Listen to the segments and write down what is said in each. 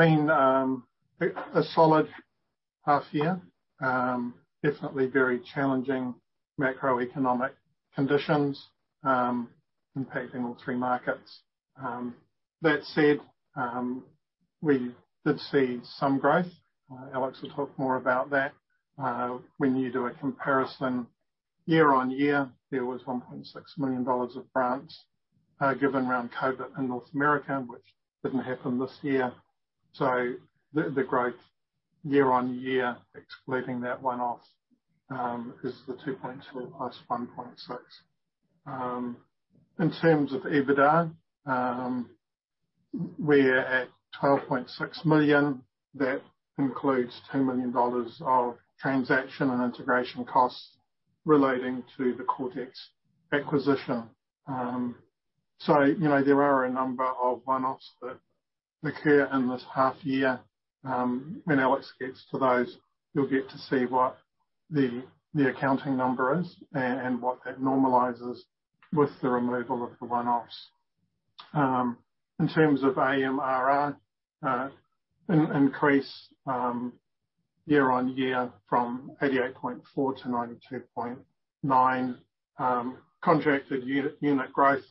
It's been a solid half year. Definitely very challenging macroeconomic conditions impacting all three markets. That said, we did see some growth. Alex will talk more about that. When you do a comparison year-on-year, there was 1.6 million dollars of grants given around COVID in North America, which didn't happen this year. The growth year-on-year, excluding that one-off, is the 2.2 + 1.6. In terms of EBITDA, we're at 12.6 million. That includes 2 million dollars of transaction and integration costs relating to the Coretex acquisition. You know, there are a number of one-offs that occur in this half year. When Alex gets to those, you'll get to see what the accounting number is and what that normalizes with the removal of the one-offs. In terms of AMRR increase year on year from 88.4 to 92.9. Contracted unit growth,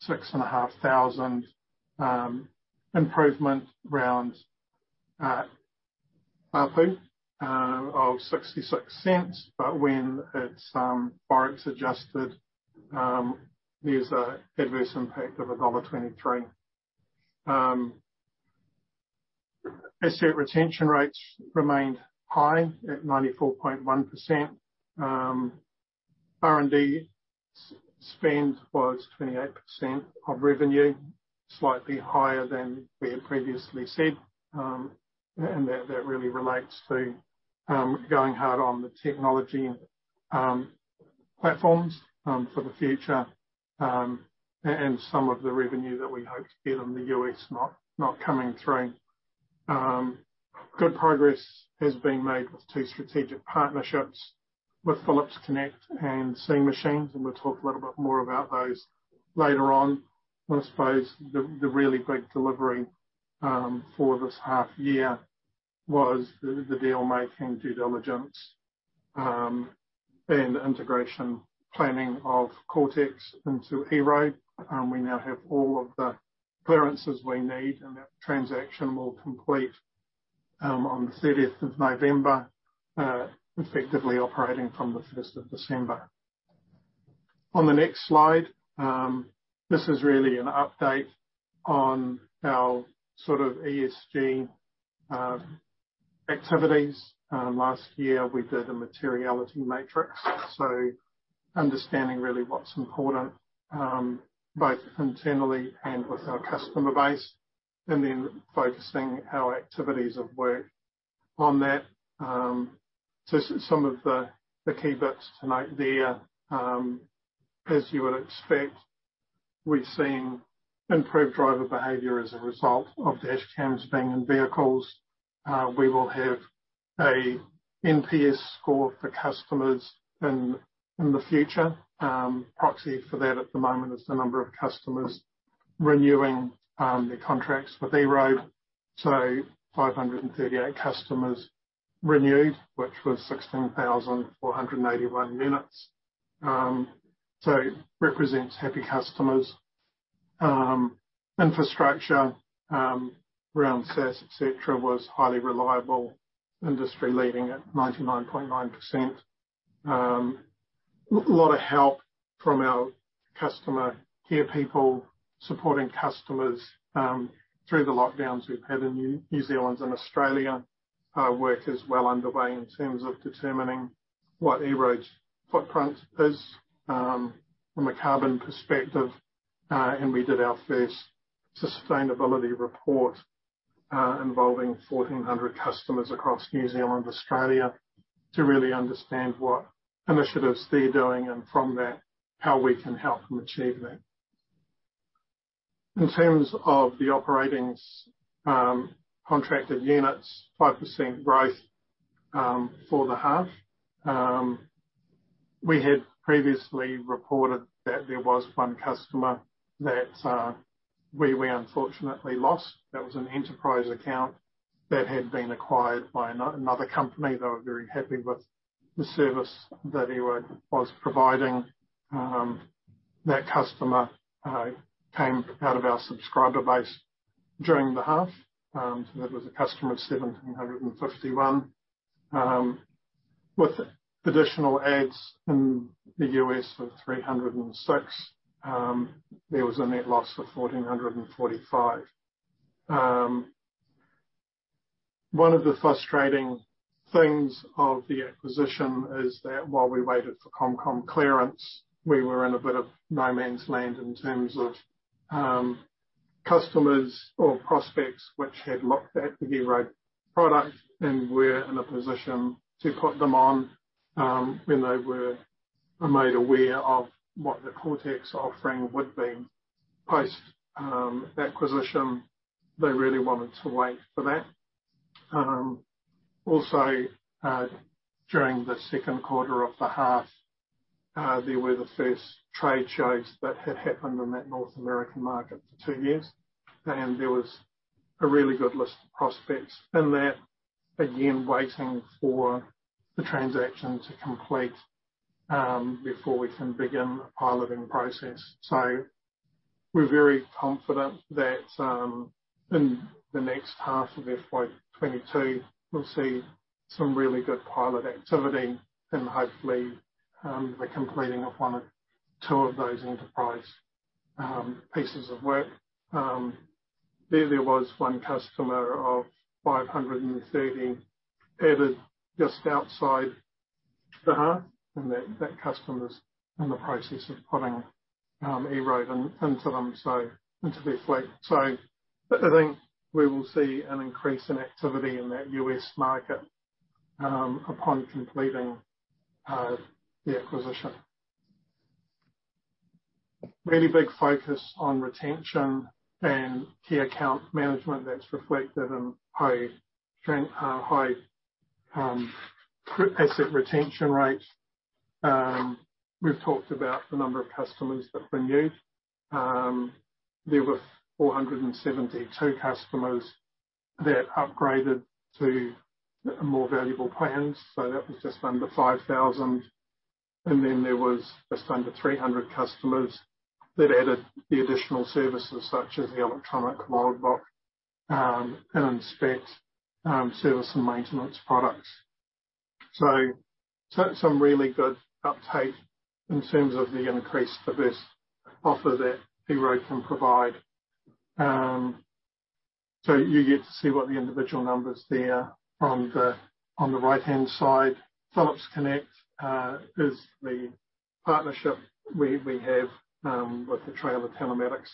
6,500. Improvement around ARPU of $0.66, but when it's Forex adjusted, there's an adverse impact of $1.23. Asset retention rates remained high at 94.1%. R&D spend was 28% of revenue, slightly higher than we had previously said. That really relates to going hard on the technology platforms for the future and some of the revenue that we hope to get in the U.S. not coming through. Good progress has been made with two strategic partnerships with Phillips Connect and Seeing Machines, and we'll talk a little bit more about those later on. I suppose the really big delivery for this half year was the deal making due diligence and integration planning of Coretex into EROAD. We now have all of the clearances we need, and that transaction will complete on the thirtieth of November, effectively operating from the first of December. On the next slide, this is really an update on our sort of ESG activities. Last year, we did a materiality matrix, so understanding really what's important both internally and with our customer base, and then focusing our activities of work on that. Some of the key bits to note there, as you would expect, we've seen improved driver behavior as a result of dashcams being in vehicles. We will have a NPS score for customers in the future. Proxy for that at the moment is the number of customers renewing their contracts with EROAD. 538 customers renewed, which was 16,481 units. Represents happy customers. Infrastructure around SaaS, et cetera, was highly reliable, industry leading at 99.9%. Lot of help from our customer care people supporting customers through the lockdowns we've had in New Zealand and Australia. Work is well underway in terms of determining what EROAD's footprint is, from a carbon perspective. We did our first sustainability report, involving 1,400 customers across New Zealand and Australia to really understand what initiatives they're doing and from that, how we can help them achieve that. In terms of the operations, contracted units, 5% growth for the half. We had previously reported that there was one customer that we unfortunately lost. That was an enterprise account that had been acquired by another company. They were very happy with the service that EROAD was providing. That customer came out of our subscriber base during the half. That was a customer 1,751. With additional adds in the U.S. of 306, there was a net loss of 1,445. One of the frustrating things of the acquisition is that while we waited for ComCom clearance, we were in a bit of no man's land in terms of, customers or prospects which had looked at the EROAD product and were in a position to put them on, when they were made aware of what the Coretex offering would be post acquisition. They really wanted to wait for that. Also, during the Q2 of the half, there were the first trade shows that had happened in that North American market for two years. There was a really good list of prospects in there, again, waiting for the transaction to complete, before we can begin the piloting process. We're very confident that in the next half of FY 2022, we'll see some really good pilot activity and hopefully the completing of one or two of those enterprise pieces of work. There was one customer of 530 added just outside the half, and that customer's in the process of putting EROAD into their fleet. I think we will see an increase in activity in that U.S. market upon completing the acquisition. Really big focus on retention and key account management that's reflected in high asset retention rates. We've talked about the number of customers that renew. There were 472 customers that upgraded to more valuable plans, so that was just under 5,000. There was just under 300 customers that added the additional services, such as the electronic logbook and Inspect service and maintenance products. Some really good uptake in terms of the increase for this offer that EROAD can provide. You get to see what the individual numbers there on the right-hand side. Phillips Connect is the partnership we have with the trailer telematics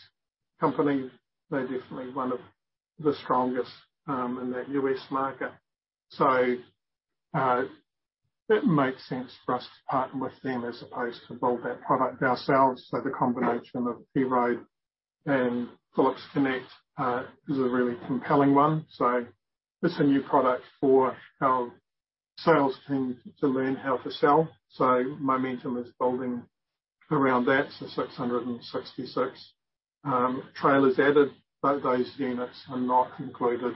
company. They're definitely one of the strongest in that U.S. market. That makes sense for us to partner with them as opposed to build that product ourselves. The combination of EROAD and Phillips Connect is a really compelling one. It's a new product for our sales team to learn how to sell. Momentum is building around that. 666 trailers added, but those units are not included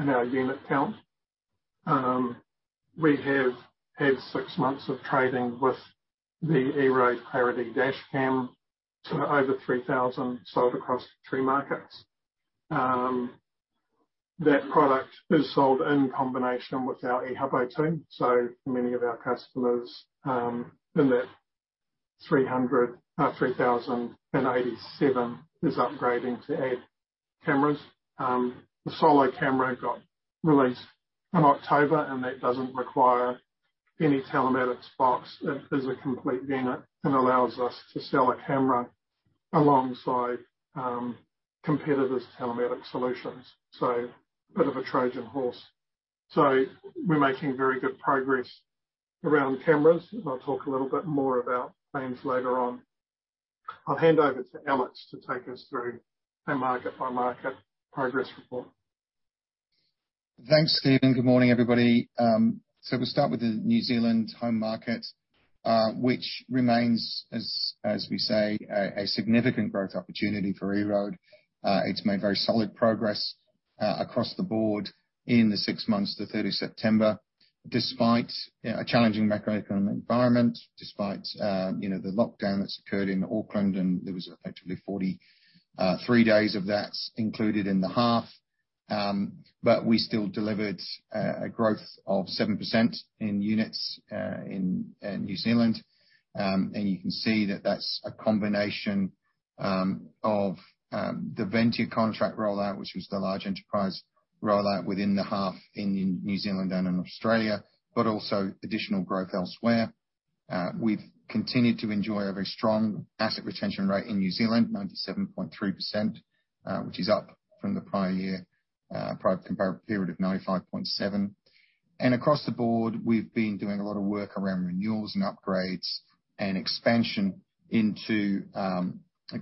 in our unit count. We have had six months of trading with the EROAD Clarity dashcam, so over 3,000 sold across three markets. That product is sold in combination with our Ehubo telematics. Many of our customers in that 3,087 is upgrading to add cameras. The solo camera got released in October, and that doesn't require any telematics box. It is a complete unit and allows us to sell a camera alongside competitors' telematics solutions. A bit of a Trojan horse. We're making very good progress around cameras, and I'll talk a little bit more about plans later on. I'll hand over to Alex to take us through our market-by-market progress report. Thanks, Steven. Good morning, everybody. We'll start with the New Zealand home market, which remains as we say a significant growth opportunity for EROAD. It's made very solid progress across the board in the six months to 30 September, despite a challenging macroeconomic environment, despite you know the lockdown that's occurred in Auckland, and there was effectively 43 days of that included in the half. We still delivered a growth of 7% in units in New Zealand. You can see that that's a combination of the Ventia contract rollout, which was the large enterprise rollout within the half in New Zealand and in Australia, but also additional growth elsewhere. We've continued to enjoy a very strong asset retention rate in New Zealand, 97.3%, which is up from the prior year, prior comparative period of 95.7%. Across the board, we've been doing a lot of work around renewals and upgrades and expansion into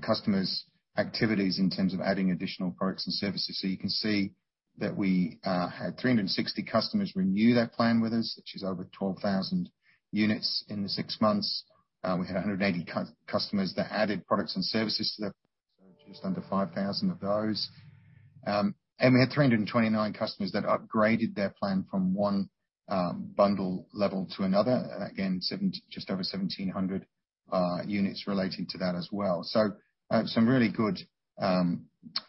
customers' activities in terms of adding additional products and services. You can see that we had 360 customers renew their plan with us, which is over 12,000 units in the six months. We had 180 customers that added products and services to their plans, so just under 5,000 of those. We had 329 customers that upgraded their plan from one bundle level to another. Again, just over 1,700 units relating to that as well. Some really good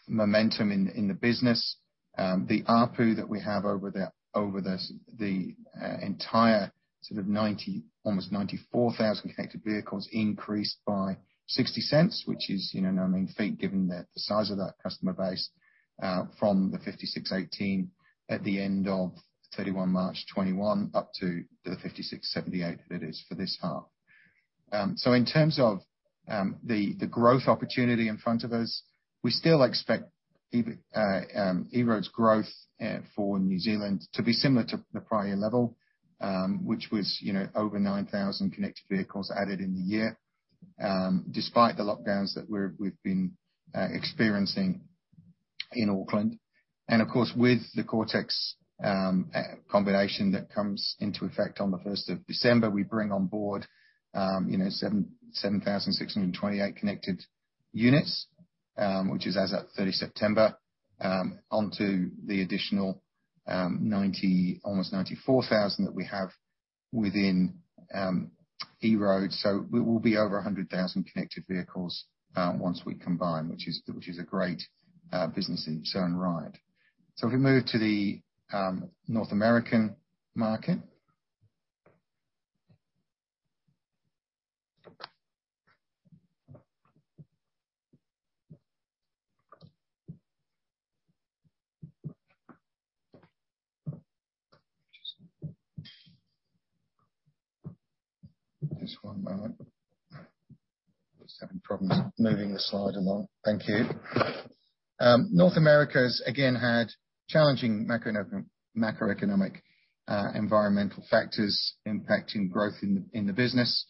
momentum in the business. The ARPU that we have over the entire sort of almost 94,000 connected vehicles increased by 0.60, which is, you know, no mean feat given the size of that customer base, from 56.18 at the end of 31 March 2021, up to 56.78 that it is for this half. In terms of the growth opportunity in front of us, we still expect EROAD's growth for New Zealand to be similar to the prior level, which was, you know, over 9,000 connected vehicles added in the year. Despite the lockdowns that we've been experiencing in Auckland, and of course, with the Coretex combination that comes into effect on the first of December, we bring on board, you know, 7,628 connected units, which is as at 30 September, onto the additional almost 94,000 that we have within EROAD. We will be over 100,000 connected vehicles once we combine, which is a great business in its own right. If we move to the North American market. Just one moment. Just having problems moving the slide along. Thank you. North America has, again, had challenging macroeconomic environmental factors impacting growth in the business.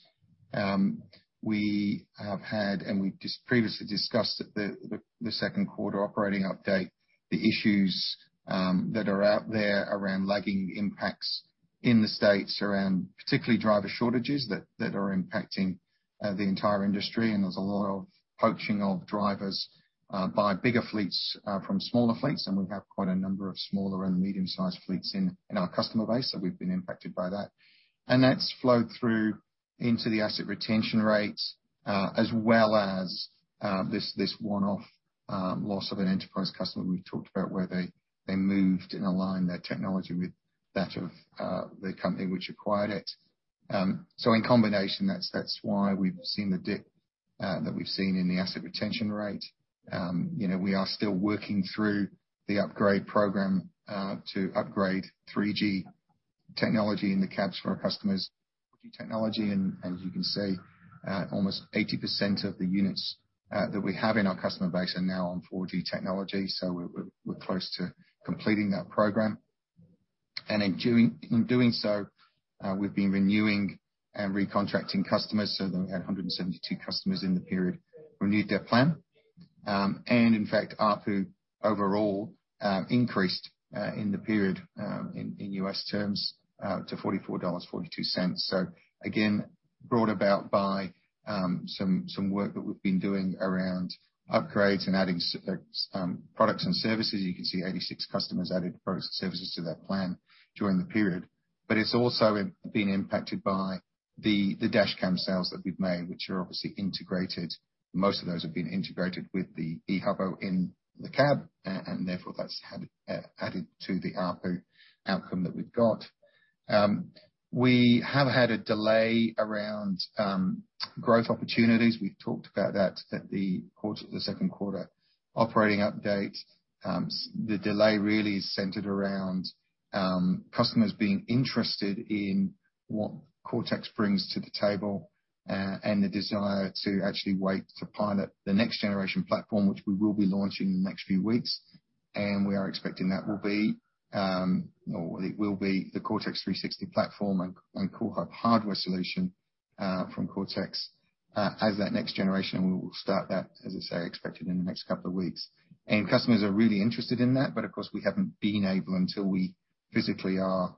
We have had and we previously discussed at the Q2 operating update the issues that are out there around lagging impacts in the States around particularly driver shortages that are impacting the entire industry. There's a lot of poaching of drivers by bigger fleets from smaller fleets, and we have quite a number of smaller and medium-sized fleets in our customer base. We've been impacted by that. That's flowed through into the asset retention rates, as well as this one-off loss of an enterprise customer we've talked about, where they moved and aligned their technology with that of the company which acquired it. In combination, that's why we've seen the dip that we've seen in the asset retention rate. You know, we are still working through the upgrade program to upgrade 3G technology in the cabs for our customers to 4G technology. You can see almost 80% of the units that we have in our customer base are now on 4G technology. We're close to completing that program. In doing so, we've been renewing and recontracting customers. We had 172 customers in the period renewed their plan. In fact, ARPU overall increased in the period in US terms to $44.42. Again, brought about by some work that we've been doing around upgrades and adding products and services. You can see 86 customers added products and services to their plan during the period. It's also been impacted by the dash cam sales that we've made, which are obviously integrated. Most of those have been integrated with the Ehubo in the cab, and therefore that's had added to the ARPU outcome that we've got. We have had a delay around growth opportunities. We've talked about that at the Q2 operating update. The delay really is centered around customers being interested in what Coretex brings to the table and the desire to actually wait to pilot the next generation platform, which we will be launching in the next few weeks. We are expecting that it will be the Coretex 360 platform and CoreHub hardware solution from Coretex as that next generation. We will start that, as I say, expected in the next couple of weeks. Customers are really interested in that, but of course, we haven't been able until we physically are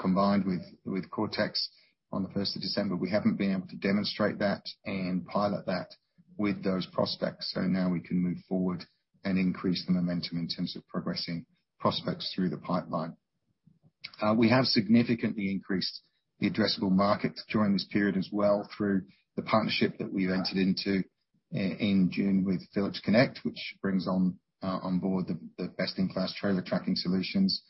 combined with Coretex on the first of December. We haven't been able to demonstrate that and pilot that with those prospects. Now we can move forward and increase the momentum in terms of progressing prospects through the pipeline. We have significantly increased the addressable market during this period as well through the partnership that we've entered into in June with Phillips Connect, which brings on board the best-in-class trailer tracking solutions.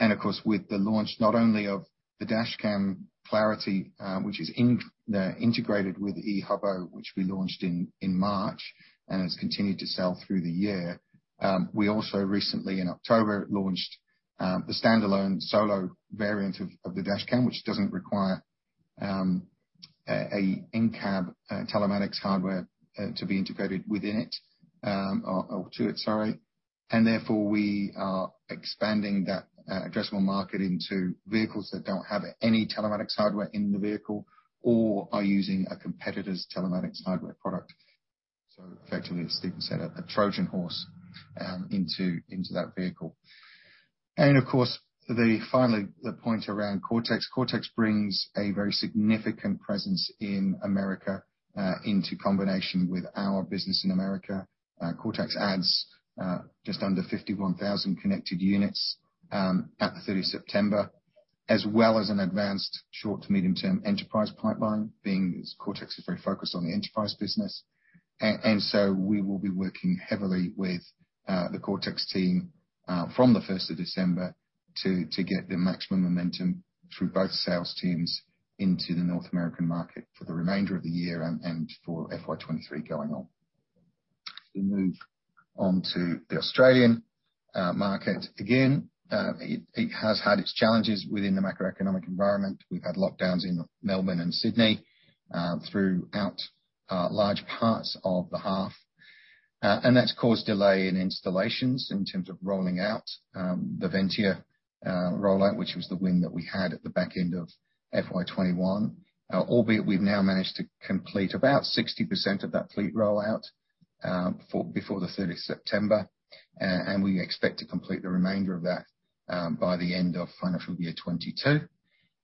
Of course, with the launch not only of the dash cam Clarity, which is integrated with Ehubo, which we launched in March and has continued to sell through the year. We also recently in October launched the standalone Clarity Solo variant of the dash cam, which doesn't require a in-cab telematics hardware to be integrated within it or to it, sorry. Therefore, we are expanding that addressable market into vehicles that don't have any telematics hardware in the vehicle or are using a competitor's telematics hardware product. Effectively, as Steven said, a Trojan horse into that vehicle. Of course, finally, the point around Coretex. Coretex brings a very significant presence in America into combination with our business in America. Coretex adds just under 51,000 connected units at 30 September, as well as an advanced short to medium-term enterprise pipeline, as Coretex is very focused on the enterprise business. We will be working heavily with the Coretex team from 1 December to get the maximum momentum through both sales teams into the North American market for the remainder of the year and for FY 2023 going on. We move on to the Australian market. Again, it has had its challenges within the macroeconomic environment. We've had lockdowns in Melbourne and Sydney throughout large parts of the half, and that's caused delay in installations in terms of rolling out the Ventia rollout, which was the win that we had at the back end of FY 2021. Albeit we've now managed to complete about 60% of that fleet rollout before the third of September. We expect to complete the remainder of that by the end of financial year 2022.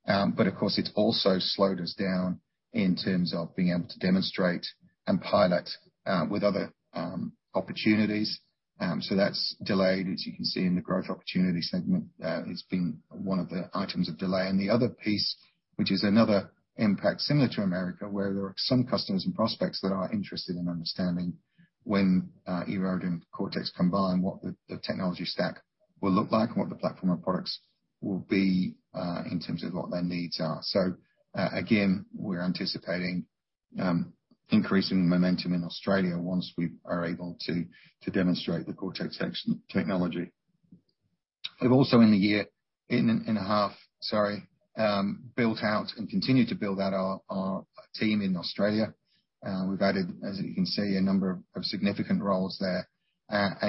Of course, it's also slowed us down in terms of being able to demonstrate and pilot with other opportunities. That's delayed, as you can see in the growth opportunity segment. It's been one of the items of delay. The other piece, which is another impact similar to America, where there are some customers and prospects that are interested in understanding when EROAD and Coretex combine, what the technology stack will look like and what the platform and products will be in terms of what their needs are. Again, we're anticipating increasing the momentum in Australia once we are able to demonstrate the Coretex technology. We've also in the year in a half, sorry, built out and continue to build out our team in Australia. We've added, as you can see, a number of significant roles there.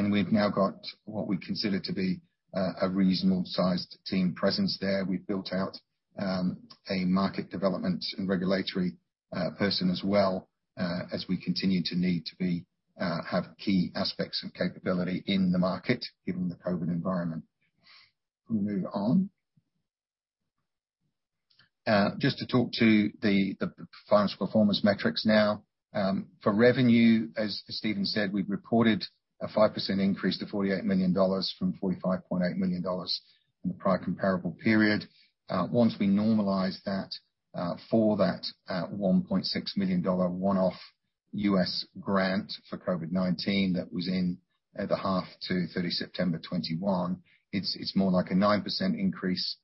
We've now got what we consider to be a reasonable-sized team presence there. We've built out a market development and regulatory person as well as we continue to need to have key aspects of capability in the market given the COVID environment. Move on. Just to talk to the financial performance metrics now. For revenue, as Steven said, we've reported a 5% increase to 48 million dollars from 45.8 million dollars in the prior comparable period. Once we normalize that for that $1.6 million one-off US grant for COVID-19 that was in the half to 30 September 2021, it's more like a 9% increase.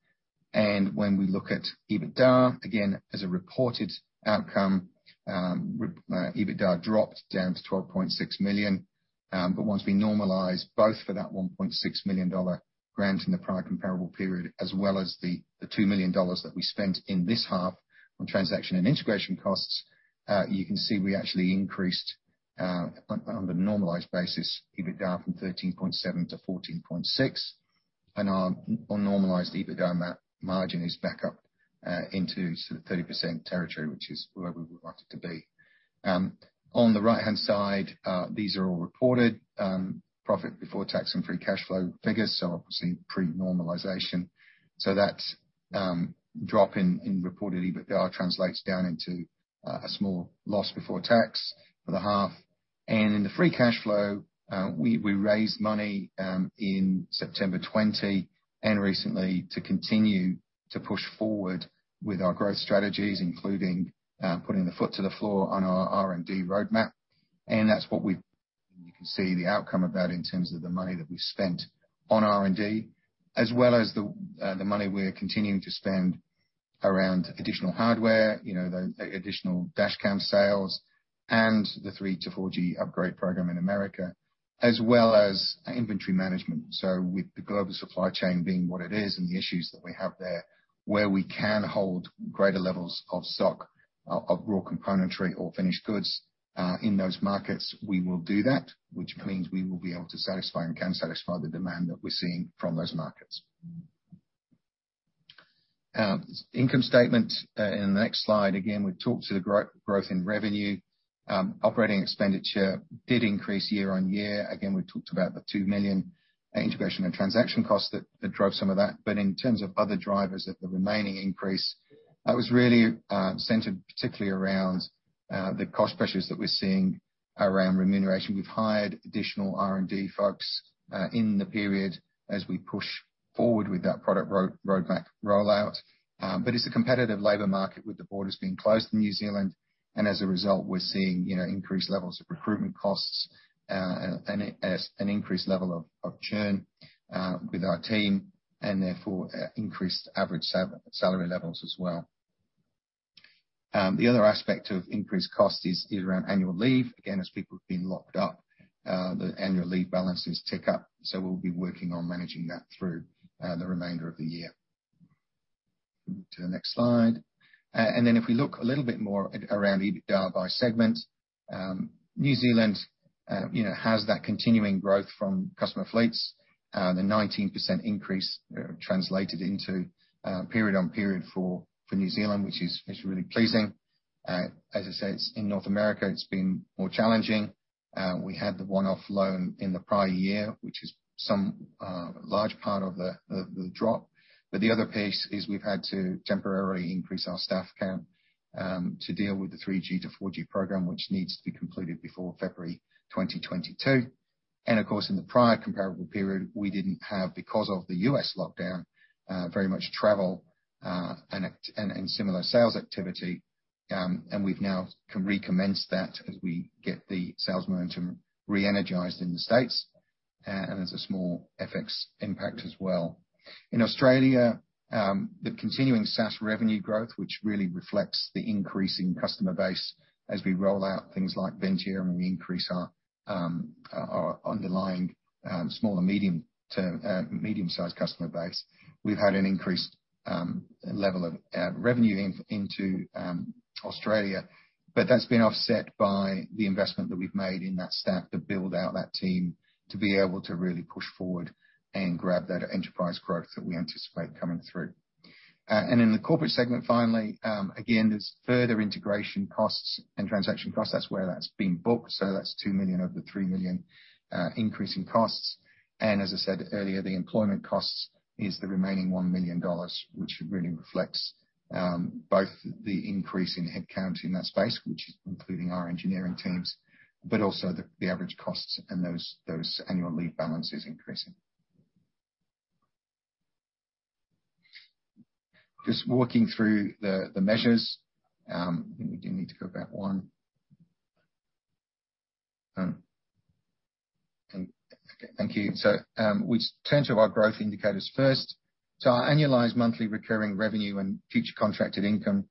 When we look at EBITDA, again, as a reported outcome, EBITDA dropped down to 12.6 million. Once we normalize both for that 1.6 million dollar grant in the prior comparable period, as well as the 2 million dollars that we spent in this half on transaction and integration costs, you can see we actually increased, on a normalized basis, EBITDA from 13.7 to 14.6. Our non-normalized EBITDA margin is back up into sort of the 30% territory, which is where we would like it to be. On the right-hand side, these are all reported profit before tax and free cash flow figures, so obviously pre-normalization. That drop in reported EBITDA translates down into a small loss before tax for the half. In the free cash flow, we raised money in September 2020 and recently to continue to push forward with our growth strategies, including putting the foot to the floor on our R&D roadmap. That's what we've done. You can see the outcome of that in terms of the money that we spent on R&D, as well as the money we're continuing to spend around additional hardware, you know, the additional dash cam sales and the 3G to 4G upgrade program in America, as well as inventory management. With the global supply chain being what it is and the issues that we have there, where we can hold greater levels of stock of raw componentry or finished goods in those markets, we will do that, which means we will be able to satisfy and can satisfy the demand that we're seeing from those markets. Income statement in the next slide. Again, we've talked to the growth in revenue. Operating expenditure did increase year-on-year. Again, we talked about the 2 million integration and transaction costs that drove some of that. But in terms of other drivers of the remaining increase, that was really centered particularly around the cost pressures that we're seeing around remuneration. We've hired additional R&D folks in the period as we push forward with that product roadmap rollout. It's a competitive labor market with the borders being closed in New Zealand. As a result, we're seeing, you know, increased levels of recruitment costs, and as an increased level of churn with our team, and therefore increased average salary levels as well. The other aspect of increased cost is around annual leave. Again, as people have been locked up, the annual leave balances tick up. We'll be working on managing that through the remainder of the year. To the next slide. If we look a little bit more at around EBITDA by segment, New Zealand, you know, has that continuing growth from customer fleets. The 19% increase translated into period on period for New Zealand, which is really pleasing. As I said, in North America, it's been more challenging. We had the one-off loan in the prior year, which is some large part of the drop. The other piece is we've had to temporarily increase our staff count to deal with the 3G to 4G program, which needs to be completed before February 2022. Of course, in the prior comparable period, we didn't have, because of the U.S. lockdown, very much travel and similar sales activity. We can now recommence that as we get the sales momentum re-energized in the States. There's a small FX impact as well. In Australia, the continuing SaaS revenue growth, which really reflects the increase in customer base as we roll out things like Ventia and we increase our underlying small- to medium-sized customer base. We've had an increased level of revenue into Australia, but that's been offset by the investment that we've made in staff to build out that team, to be able to really push forward and grab that enterprise growth that we anticipate coming through. In the corporate segment finally, again, there's further integration costs and transaction costs. That's where that's been booked, so that's 2 million of the 3 million increase in costs. As I said earlier, the employment costs is the remaining 1 million dollars, which really reflects both the increase in head count in that space, which including our engineering teams, but also the average costs and those annual leave balances increasing. Just walking through the measures, I think we do need to go back one. Okay, thank you. We turn to our growth indicators first. Our annualized monthly recurring revenue and future contracted income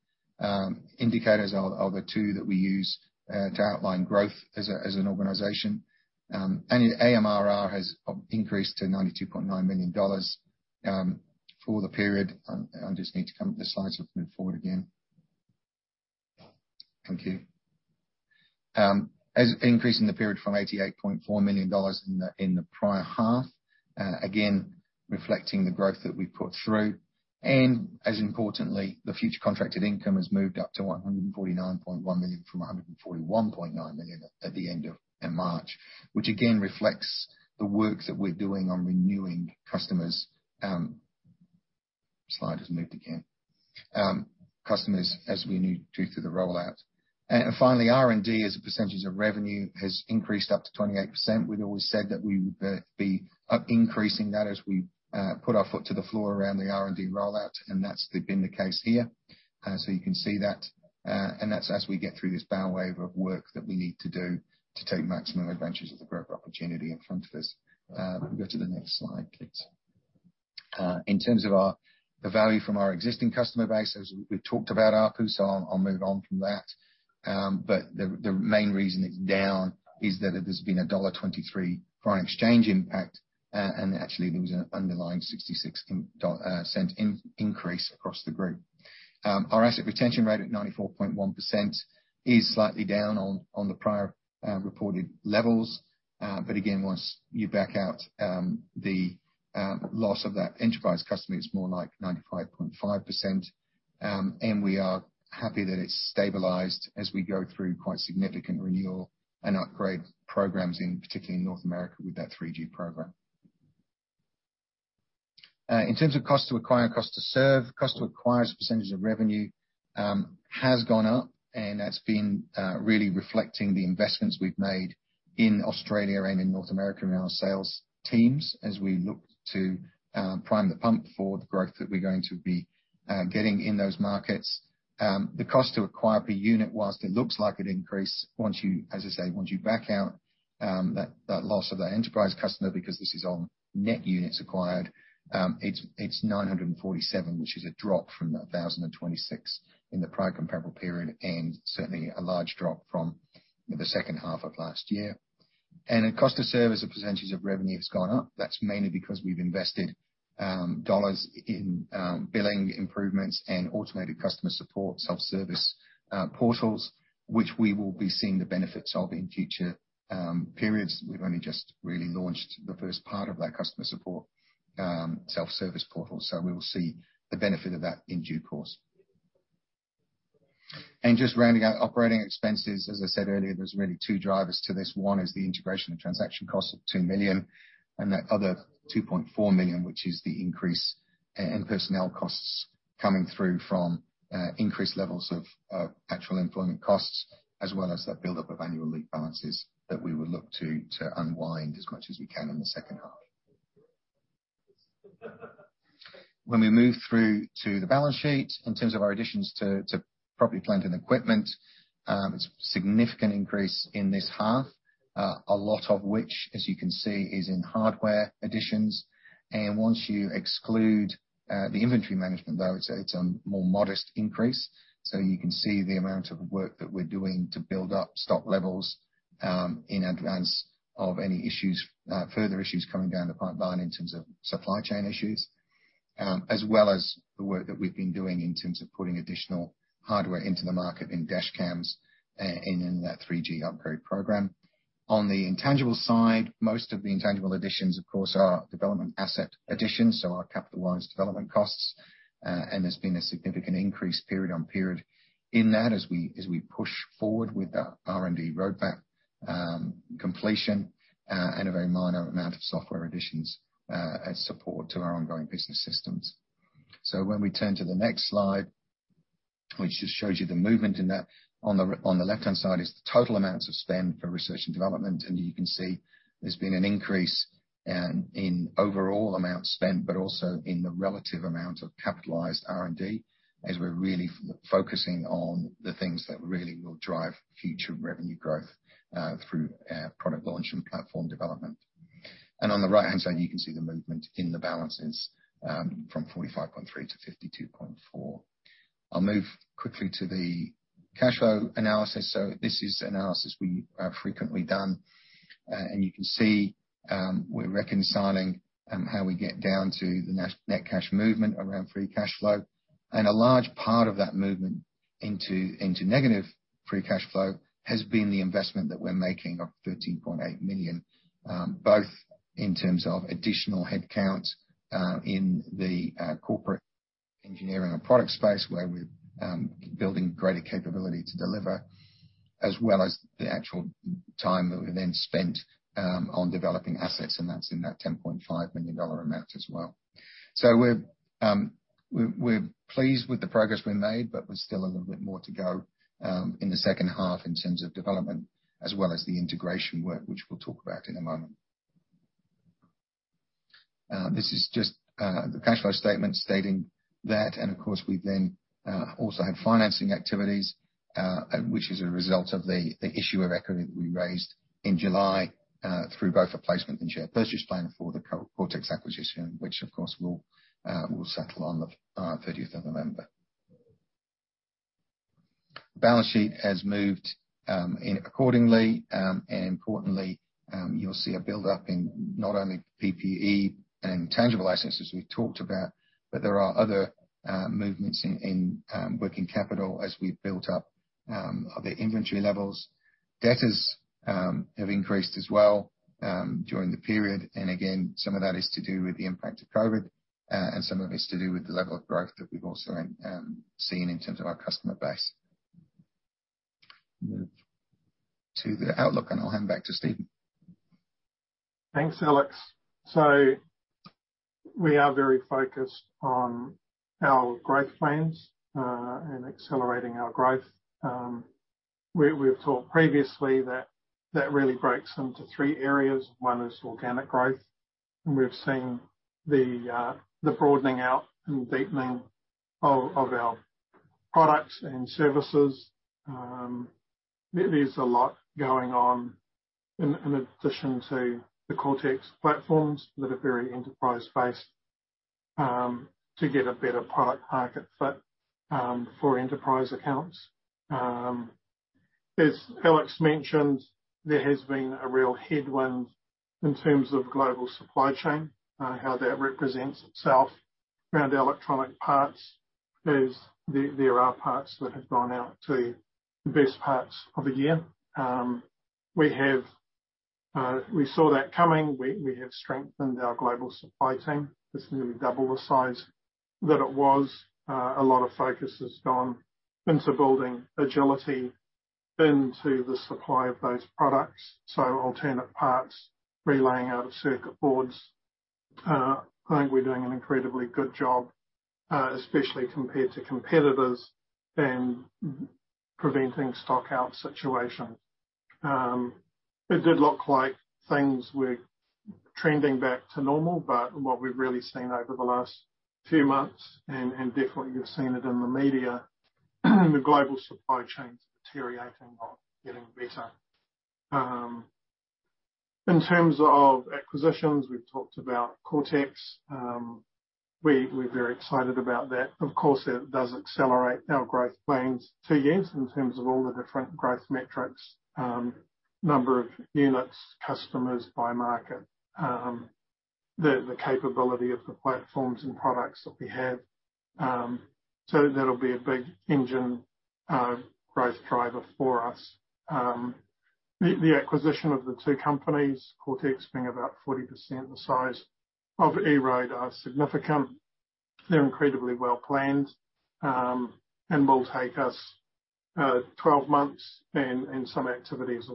indicators are the two that we use to outline growth as an organization. Annual AMRR has increased to 92.9 million dollars for the period. The slides have moved forward again. Thank you. Revenue has increased over the period from 88.4 million dollars in the prior half, again, reflecting the growth that we've put through. As importantly, the future contracted income has moved up to 149.1 million from 141.9 million at the end of March, which again reflects the work that we're doing on renewing customers. Slide has moved again. Finally, R&D as a percentage of revenue has increased up to 28%. We've always said that we would be increasing that as we put our foot to the floor around the R&D rollout, and that's been the case here. You can see that, and that's as we get through this bow wave of work that we need to do to take maximum advantage of the growth opportunity in front of us. If we go to the next slide, please. In terms of the value from our existing customer base, as we've talked about, ARPU, so I'll move on from that. But the main reason it's down is that there's been a dollar 1.23 foreign exchange impact. And actually there was an underlying 66-cent increase across the group. Our asset retention rate at 94.1% is slightly down on the prior reported levels. But again, once you back out the loss of that enterprise customer, it's more like 95.5%. We are happy that it's stabilized as we go through quite significant renewal and upgrade programs in particular, North America with that 3G program. In terms of cost to acquire and cost to serve, cost to acquire as a percentage of revenue has gone up, and that's been really reflecting the investments we've made in Australia and in North America in our sales teams as we look to prime the pump for the growth that we're going to be getting in those markets. The cost to acquire per unit while it looks like it increased, once you back out that loss of that enterprise customer because this is on net units acquired, it's 947, which is a drop from 1,026 in the prior comparable period, and certainly a large drop from the second half of last year. Our cost to serve as a percentage of revenue has gone up. That's mainly because we've invested dollars in billing improvements and automated customer support self-service portals, which we will be seeing the benefits of in future periods. We've only just really launched the first part of that customer support self-service portal, so we will see the benefit of that in due course. Just rounding out operating expenses, as I said earlier, there's really two drivers to this. One is the integration and transaction cost of 2 million, and that other 2.4 million, which is the increase in personnel costs coming through from increased levels of actual employment costs, as well as that buildup of annual leave balances that we will look to unwind as much as we can in the second half. When we move through to the balance sheet in terms of our additions to property, plant, and equipment, it's a significant increase in this half, a lot of which, as you can see, is in hardware additions. Once you exclude the inventory management though, it's a more modest increase. You can see the amount of work that we're doing to build up stock levels in advance of any further issues coming down the pipeline in terms of supply chain issues, as well as the work that we've been doing in terms of putting additional hardware into the market in dash cams and in that 3G upgrade program. On the intangible side, most of the intangible additions, of course, are development asset additions, so our capitalized development costs. There's been a significant increase period-on-period in that as we push forward with the R&D roadmap completion, and a very minor amount of software additions as support to our ongoing business systems. When we turn to the next slide, which just shows you the movement in that, on the left-hand side is the total amounts of spend for research and development. You can see there's been an increase in overall amount spent, but also in the relative amount of capitalized R&D as we're really focusing on the things that really will drive future revenue growth through product launch and platform development. On the right-hand side, you can see the movement in the balances from 45.3 to 52.4. I'll move quickly to the cash flow analysis. This is analysis we have frequently done. You can see we're reconciling how we get down to the net cash movement around free cash flow. A large part of that movement into negative free cash flow has been the investment that we're making of 13.8 million, both in terms of additional headcount in the corporate engineering and product space, where we're building greater capability to deliver, as well as the actual time that we then spent on developing assets, and that's in that 10.5 million dollar amount as well. We're pleased with the progress we made, but we've still a little bit more to go in the second half in terms of development as well as the integration work, which we'll talk about in a moment. This is just the cash flow statement stating that. Of course, we then also had financing activities, which is a result of the issue of equity that we raised in July through both a placement and share purchase plan for the Coretex acquisition, which of course will settle on the thirtieth of November. Balance sheet has moved in accordingly, and importantly, you'll see a build-up in not only PPE and tangible assets, as we've talked about, but there are other movements in working capital as we've built up other inventory levels. Debtors have increased as well during the period. Again, some of that is to do with the impact of COVID-19, and some of it's to do with the level of growth that we've also seen in terms of our customer base. Move to the outlook, and I'll hand back to Steven. Thanks, Alex. We are very focused on our growth plans and accelerating our growth. We've talked previously that it really breaks into three areas. One is organic growth, and we've seen the broadening out and deepening of our products and services. There is a lot going on in addition to the Coretex platforms that are very enterprise-facing to get a better product market fit for enterprise accounts. As Alex mentioned, there has been a real headwind in terms of global supply chain, how that represents itself around electronic parts as there are parts that have gone out to the back end of the year. We saw that coming. We have strengthened our global supply team. It's nearly double the size that it was. A lot of focus has gone into building agility into the supply of those products, so alternate parts, relaying out of circuit boards. I think we're doing an incredibly good job, especially compared to competitors in preventing stock out situations. It did look like things were trending back to normal, but what we've really seen over the last few months, and definitely you've seen it in the media, the global supply chain's deteriorating, not getting better. In terms of acquisitions, we've talked about Coretex. We're very excited about that. Of course, that does accelerate our growth plans two years in terms of all the different growth metrics, number of units, customers by market, the capability of the platforms and products that we have. That'll be a big engine, growth driver for us. The acquisition of the two companies, Coretex being about 40% the size of EROAD, are significant. They're incredibly well-planned and will take us 12 months, and some activities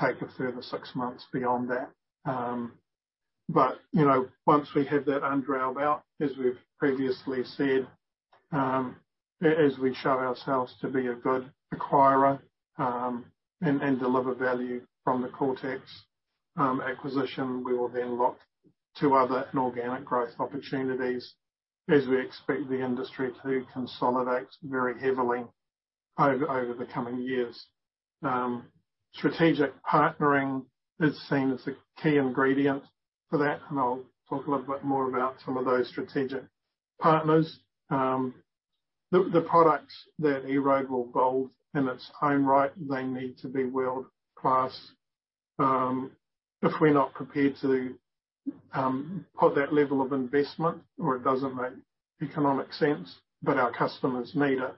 will take a further 6 months beyond that. You know, once we have that under our belt, as we've previously said, as we show ourselves to be a good acquirer and deliver value from the Coretex acquisition, we will then look to other inorganic growth opportunities as we expect the industry to consolidate very heavily over the coming years. Strategic partnering is seen as a key ingredient for that, and I'll talk a little bit more about some of those strategic partners. The products that EROAD will build in its own right, they need to be world-class. If we're not prepared to put that level of investment or it doesn't make economic sense, but our customers need it,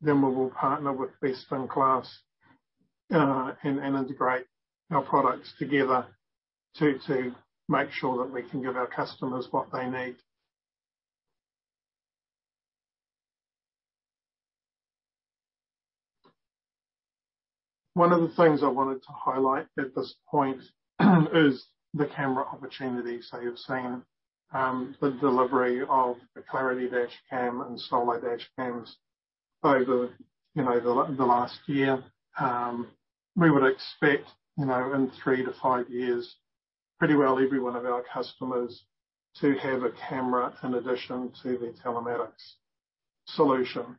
then we will partner with best-in-class and integrate our products together to make sure that we can give our customers what they need. One of the things I wanted to highlight at this point is the camera opportunity. You've seen the delivery of the Clarity dash cam and Clarity Solo dash cams over, you know, the last year. We would expect, you know, in three to five years, pretty well every one of our customers to have a camera in addition to their telematics solution.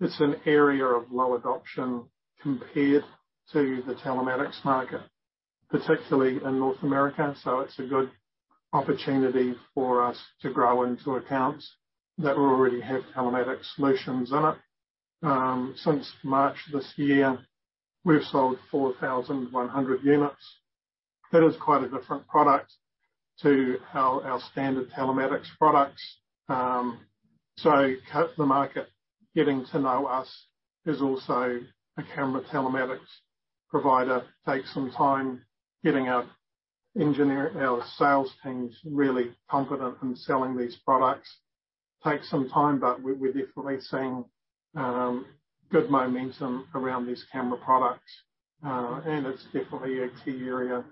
It's an area of low adoption compared to the telematics market. Particularly in North America, so it's a good opportunity for us to grow into accounts that already have telematics solutions in it. Since March this year, we've sold 4,100 units. That is quite a different product to our standard telematics products. Educating the market, getting to know us as also a camera telematics provider takes some time. Getting our sales teams really competent in selling these products takes some time, but we're definitely seeing good momentum around these camera products. It's definitely a key area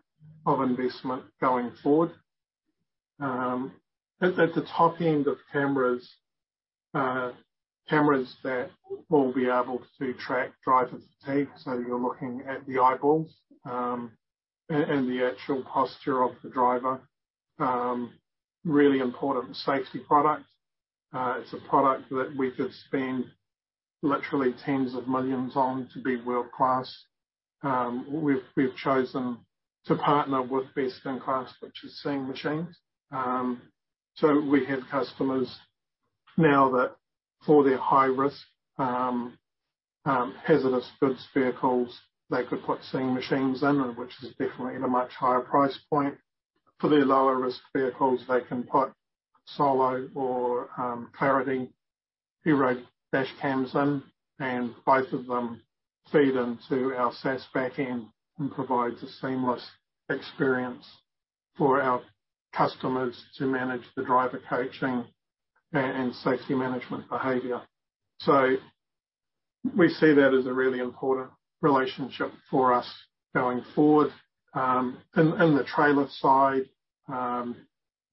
of investment going forward. At the top end of cameras that will be able to track driver fatigue, so you're looking at the eyeballs and the actual posture of the driver, really important safety product. It's a product that we could spend literally tens of millions NZD on to be world-class. We've chosen to partner with best in class, which is Seeing Machines. We have customers now that for their high risk hazardous goods vehicles, they could put Seeing Machines in, which is definitely at a much higher price point. For their lower risk vehicles, they can put Solo or Clarity Hero dashcams in, and both of them feed into our SaaS back-end and provides a seamless experience for our customers to manage the driver coaching and safety management behavior. We see that as a really important relationship for us going forward. In the trailer side,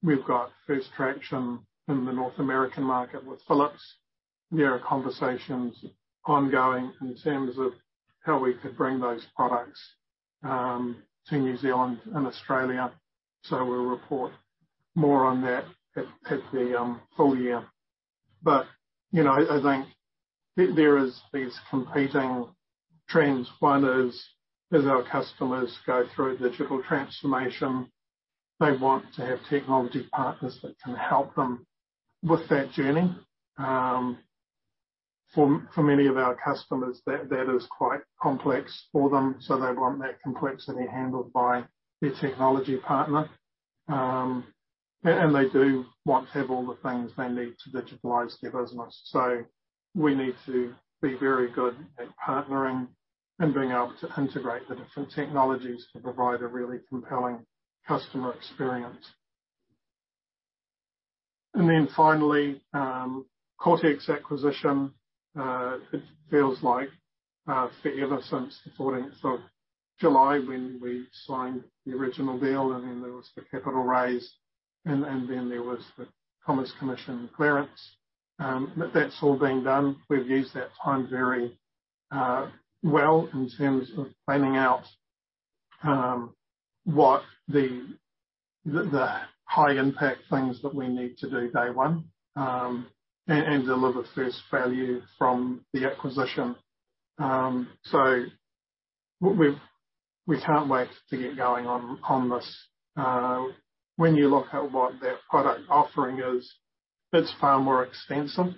we've got first traction in the North American market with Phillips. There are conversations ongoing in terms of how we could bring those products to New Zealand and Australia, so we'll report more on that at the full year. You know, I think there is these competing trends. One is, as our customers go through digital transformation, they want to have technology partners that can help them with that journey. For many of our customers, that is quite complex for them, so they want that complexity handled by their technology partner. They do want to have all the things they need to digitalize their business. We need to be very good at partnering and being able to integrate the different technologies to provide a really compelling customer experience. Finally, Coretex acquisition, it feels like forever since the fourteenth of July when we signed the original deal, and then there was the capital raise, and then there was the Commerce Commission clearance. That's all been done. We've used that time very well in terms of planning out what the high impact things that we need to do day one and deliver first value from the acquisition. We can't wait to get going on this. When you look at what their product offering is, it's far more extensive.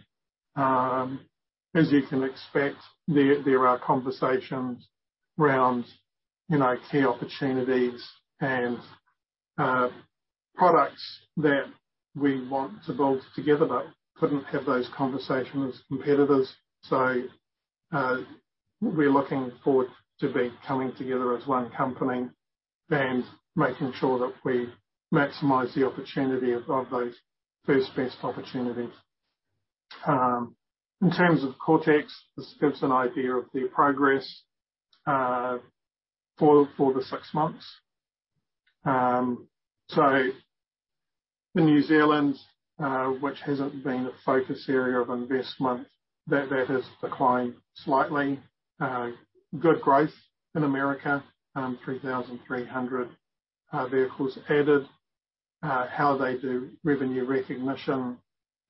As you can expect, there are conversations around, you know, key opportunities and products that we want to build together but couldn't have those conversations with competitors. We're looking forward to becoming together as one company and making sure that we maximize the opportunity of those first best opportunities. In terms of Coretex, this gives an idea of their progress for the six months. In New Zealand, which hasn't been a focus area of investment, that has declined slightly. Good growth in America, 3,300 vehicles added. How they do revenue recognition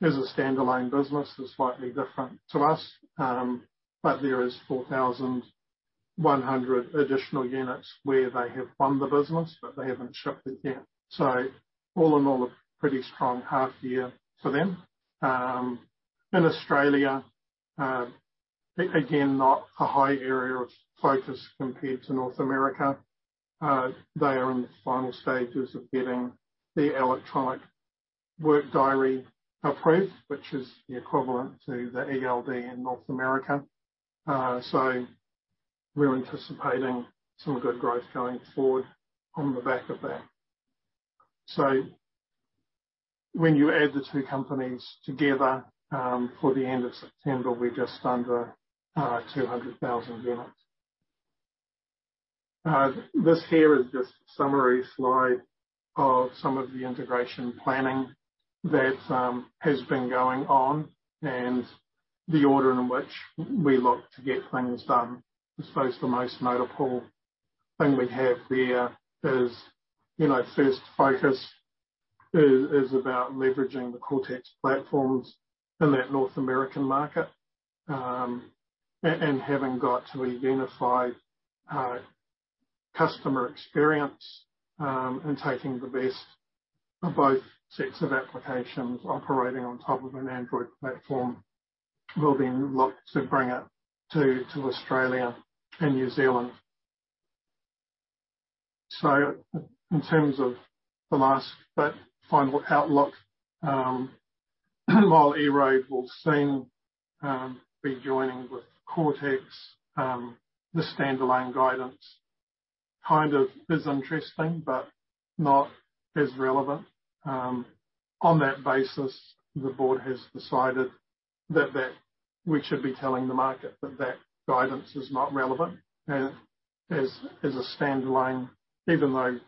as a standalone business is slightly different to us. There is 4,100 additional units where they have won the business, but they haven't shipped it yet. All in all, a pretty strong half year for them. In Australia, again, not a high area of focus compared to North America. They are in the final stages of getting their electronic work diary approved, which is the equivalent to the ELD in North America. We're anticipating some good growth going forward on the back of that. When you add the two companies together, for the end of September, we're just under 200,000 units. This here is just a summary slide of some of the integration planning that has been going on and the order in which we look to get things done. I suppose the most notable thing we have there is, you know, first focus is about leveraging the Coretex platforms in that North American market, and having got to a unified customer experience, and taking the best of both sets of applications operating on top of an Android platform, we'll then look to bring it to Australia and New Zealand. In terms of the last but final outlook, while EROAD will soon be joining with Coretex, the standalone guidance kind of is interesting but not as relevant. On that basis, the board has decided that we should be telling the market that guidance is not relevant, as a standalone. Even though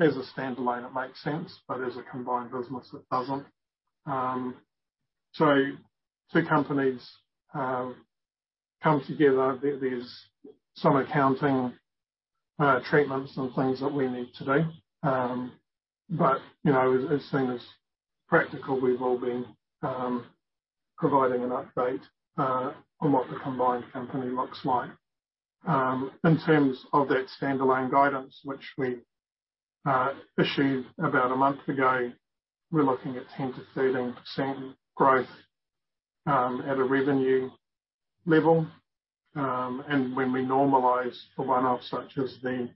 as a standalone it makes sense, but as a combined business, it doesn't. Two companies come together. There's some accounting treatments and things that we need to do. You know, as soon as practical, we will be providing an update on what the combined company looks like. In terms of that standalone guidance, which we issued about a month ago, we're looking at 10%-13% growth at a revenue level. When we normalize for one-offs such as the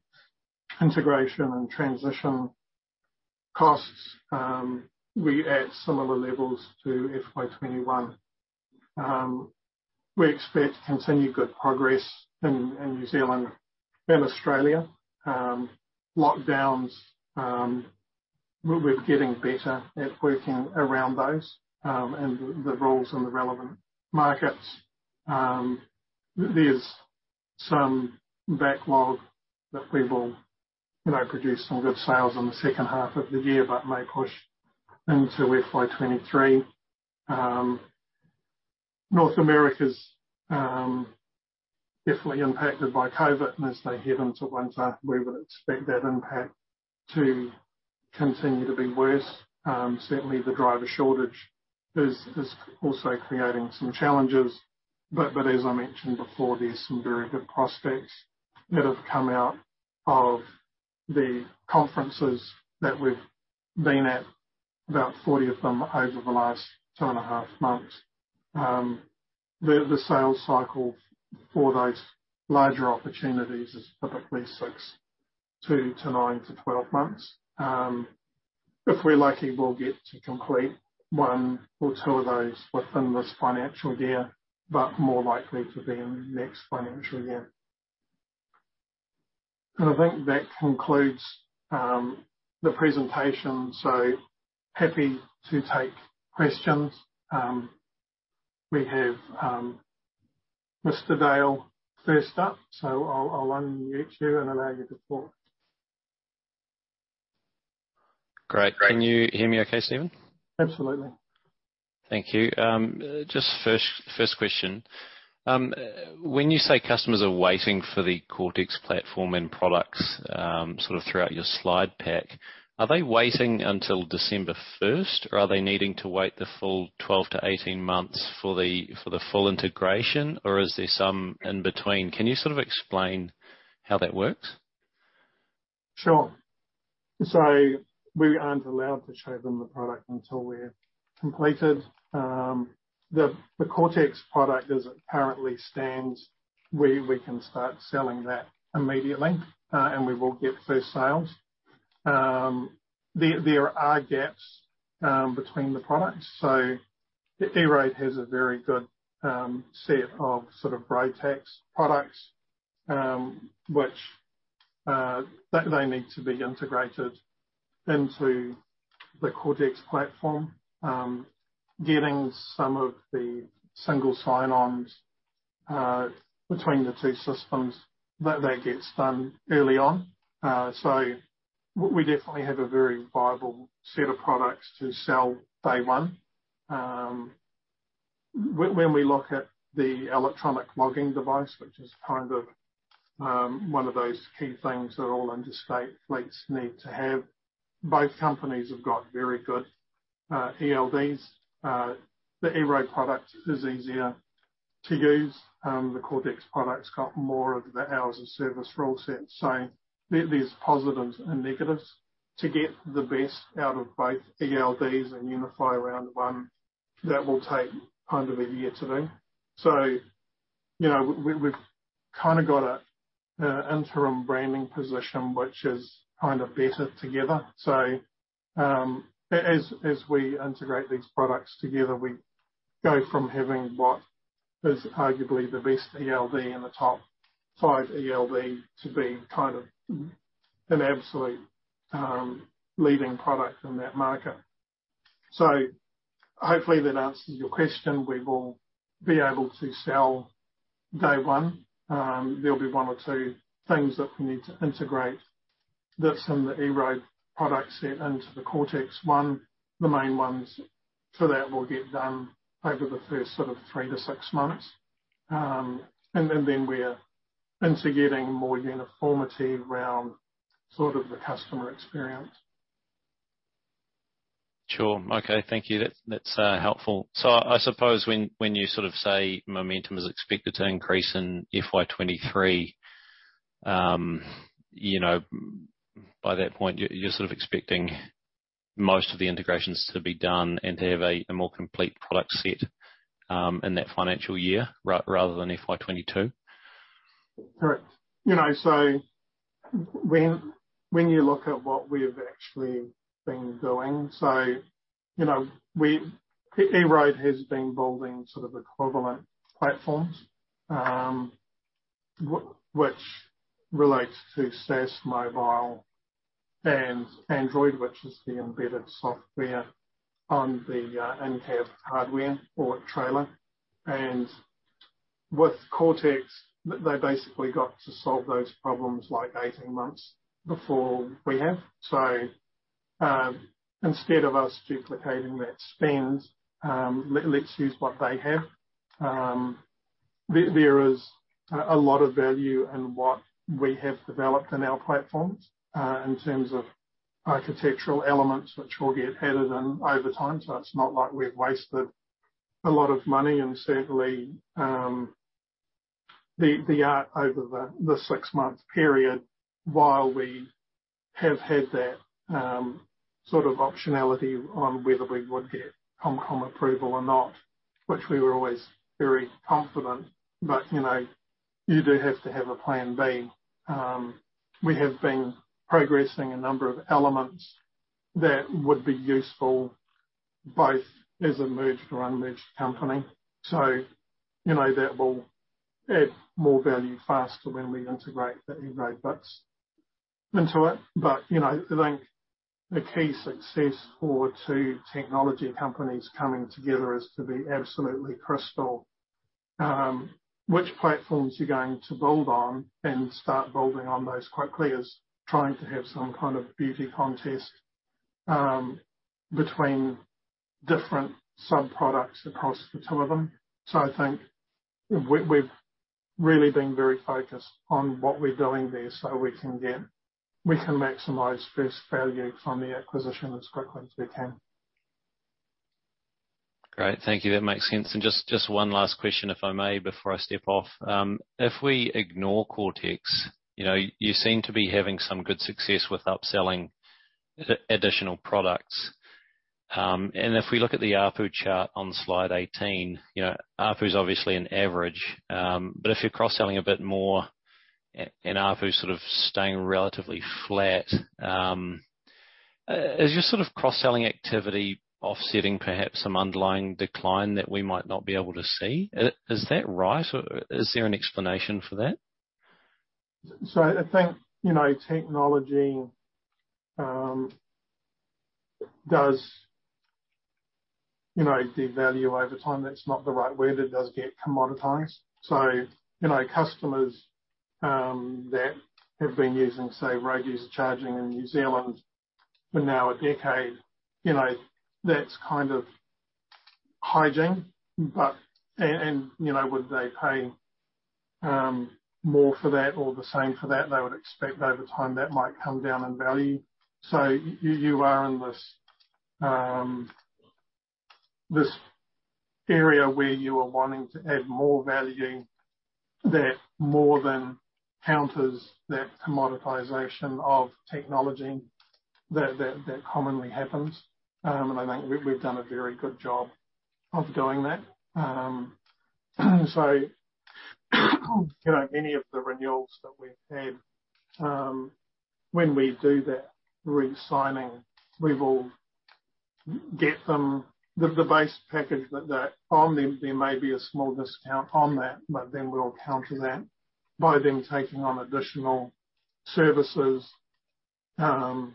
integration and transition costs, we're at similar levels to FY 2021. We expect to continue good progress in New Zealand and Australia. Lockdowns, we're getting better at working around those, and the rules in the relevant markets. There's some backlog that we will, you know, produce some good sales in the second half of the year, but may push into FY 2023. North America is definitely impacted by COVID, and as they head into winter, we would expect that impact to continue to be worse. Certainly, the driver shortage is also creating some challenges. As I mentioned before, there's some very good prospects that have come out of the conferences that we've been at, about 40 of them over the last 2.5 months. The sales cycle for those larger opportunities is typically 6 to 9 to 12 months. If we're lucky, we'll get to complete one or two of those within this financial year, but more likely to be in next financial year. I think that concludes the presentation. Happy to take questions. We have Mr. Dale first up, so I'll unmute you and allow you to talk. Great. Can you hear me okay, Steven? Absolutely. Thank you. Just first question. When you say customers are waiting for the Coretex platform and products, sort of throughout your slide pack, are they waiting until December first, or are they needing to wait the full 12-18 months for the full integration, or is there some in between? Can you sort of explain how that works? Sure. We aren't allowed to show them the product until we're completed. The Coretex product as it currently stands, we can start selling that immediately, and we will get first sales. There are gaps between the products. EROAD has a very good set of sort of road tax products, which they need to be integrated into the Coretex platform, getting some of the single sign-ons between the two systems that they get done early on. We definitely have a very viable set of products to sell day one. When we look at the electronic logging device, which is kind of one of those key things that all interstate fleets need to have, both companies have got very good ELDs. The EROAD product is easier to use. The Coretex product's got more of the hours of service rule set. There, there's positives and negatives. To get the best out of both ELDs and unify around one, that will take kind of a year to do. You know, we've kinda got an interim branding position, which is kind of better together. As we integrate these products together, we go from having what is arguably the best ELD and a top-five ELD to being kind of an absolute leading product in that market. Hopefully, that answers your question. We will be able to sell day one. There'll be one or two things that we need to integrate that's in the EROAD product set into the Coretex one. The main ones for that will get done over the first sort of three to six months. We're into getting more uniformity around sort of the customer experience. Sure. Okay. Thank you. That's helpful. I suppose when you sort of say momentum is expected to increase in FY 2023, you know, by that point, you're sort of expecting most of the integrations to be done and to have a more complete product set in that financial year rather than FY 2022? Correct. You know, when you look at what we have actually been doing, you know, EROAD has been building sort of equivalent platforms, which relates to SaaS mobile and Android, which is the embedded software on the in-cab hardware or trailer. With Coretex, they basically got to solve those problems like 18 months before we have. Instead of us duplicating that spend, let's use what they have. There is a lot of value in what we have developed in our platforms, in terms of architectural elements which will get added in over time. It's not like we've wasted a lot of money. Certainly, over the six-month period, while we have had that sort of optionality on whether we would get ComCom approval or not, which we were always very confident. You know, you do have to have a plan B. We have been progressing a number of elements that would be useful both as a merged or unmerged company. You know, that will add more value faster when we integrate the EROAD bits into it. You know, I think the key success for two technology companies coming together is to be absolutely crystal clear on which platforms you're going to build on and start building on those quickly rather than trying to have some kind of beauty contest between different sub-products across the two of them. I think we've really been very focused on what we're doing there so we can maximize first value from the acquisition as quickly as we can. Great. Thank you. That makes sense. Just one last question, if I may, before I step off. If we ignore Coretex, you know, you seem to be having some good success with upselling additional products. If we look at the ARPU chart on slide 18, you know, ARPU is obviously an average. If you're cross-selling a bit more and ARPU sort of staying relatively flat, is your sort of cross-selling activity offsetting perhaps some underlying decline that we might not be able to see? Is that right? Or is there an explanation for that? I think, you know, technology does, you know, devalue over time. That's not the right word. It does get commoditized. You know, customers that have been using, say, road user charging in New Zealand for now a decade, you know, that's kind of hygiene. But, you know, would they pay more for that or the same for that? They would expect over time that might come down in value. You are in this area where you are wanting to add more value that more than counters that commoditization of technology that commonly happens. I think we've done a very good job of doing that. You know, many of the renewals that we've had, when we do that re-signing, we will get them the base package that on them there may be a small discount on that, but then we'll counter that by them taking on additional services, and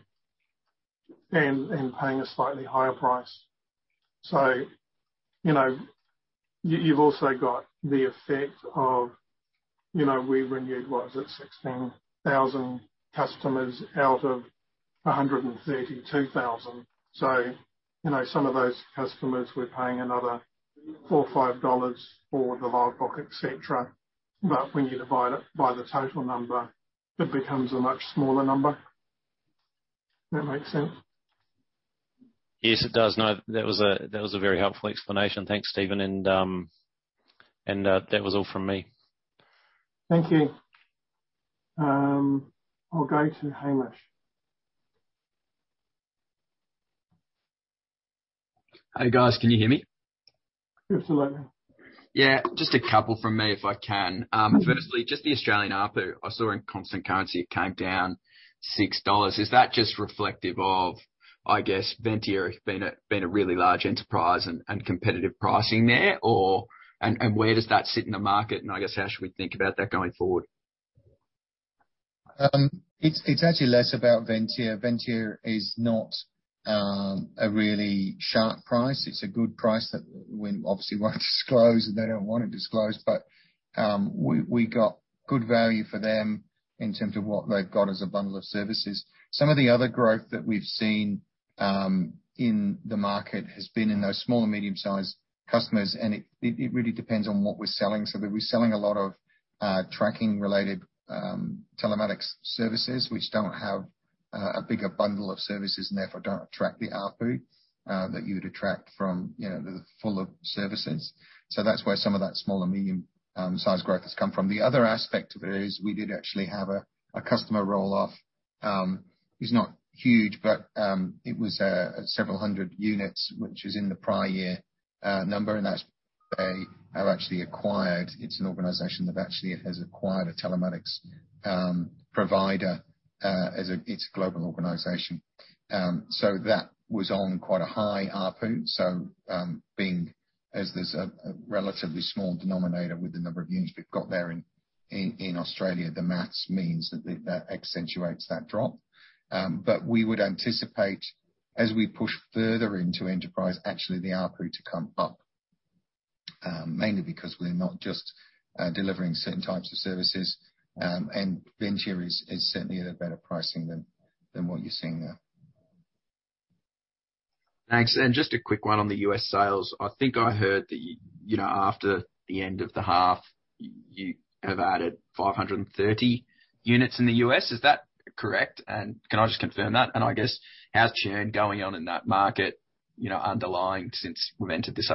paying a slightly higher price. You know, you've also got the effect of, you know, we renewed, what is it? 16,000 customers out of 132,000. You know, some of those customers were paying another 4, 5 dollars for the logbook, etc. But when you divide it by the total number, it becomes a much smaller number. That makes sense? Yes, it does. No, that was a very helpful explanation. Thanks, Steven. That was all from me. Thank you. I'll go to Hamish. Hey, guys. Can you hear me? Absolutely. Yeah. Just a couple from me, if I can. Firstly, just the Australian ARPU. I saw in constant currency it came down 6 dollars. Is that just reflective of, I guess, Ventia being a really large enterprise and competitive pricing there, or where does that sit in the market? I guess how should we think about that going forward? It's actually less about Ventia. Ventia is not a really sharp price. It's a good price that we obviously won't disclose, and they don't wanna disclose, but we got good value for them in terms of what they've got as a bundle of services. Some of the other growth that we've seen in the market has been in those small and medium-sized customers, and it really depends on what we're selling. So we're selling a lot of tracking related telematics services which don't have a bigger bundle of services and therefore don't attract the ARPU that you would attract from, you know, the fuller services. So that's where some of that small and medium size growth has come from. The other aspect of it is we did actually have a customer roll-off. It's not huge, but it was several hundred units, which is in the prior year number, and that they have actually acquired. It's an organization that actually has acquired a telematics provider. It's a global organization. That was on quite a high ARPU. Being as there's a relatively small denominator with the number of units we've got there in Australia, the math means that accentuates that drop. We would anticipate, as we push further into enterprise, actually the ARPU to come up, mainly because we're not just delivering certain types of services. Ventia is certainly at a better pricing than what you're seeing there. Thanks. Just a quick one on the U.S. sales. I think I heard that you know, after the end of the half, you have added 530 units in the U.S. Is that correct? Can I just confirm that and I guess how's churn going on in that market, you know, underlying since we entered this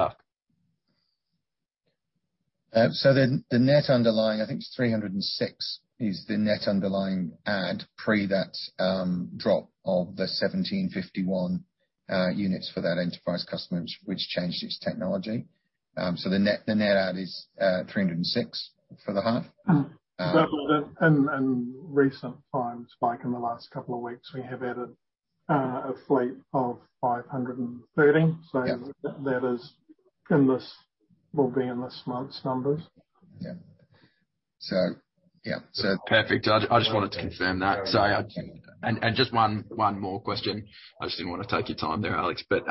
arc? The net underlying, I think it's 306, is the net underlying add pre that drop of the 1,751 units for that enterprise customer which changed its technology. The net add is 306 for the half. In recent times, Hamish, in the last couple of weeks, we have added a fleet of 530. That will be in this month's numbers. So, Perfect. I just wanted to confirm that. Just one more question. I just didn't want to take your time there, Alex, but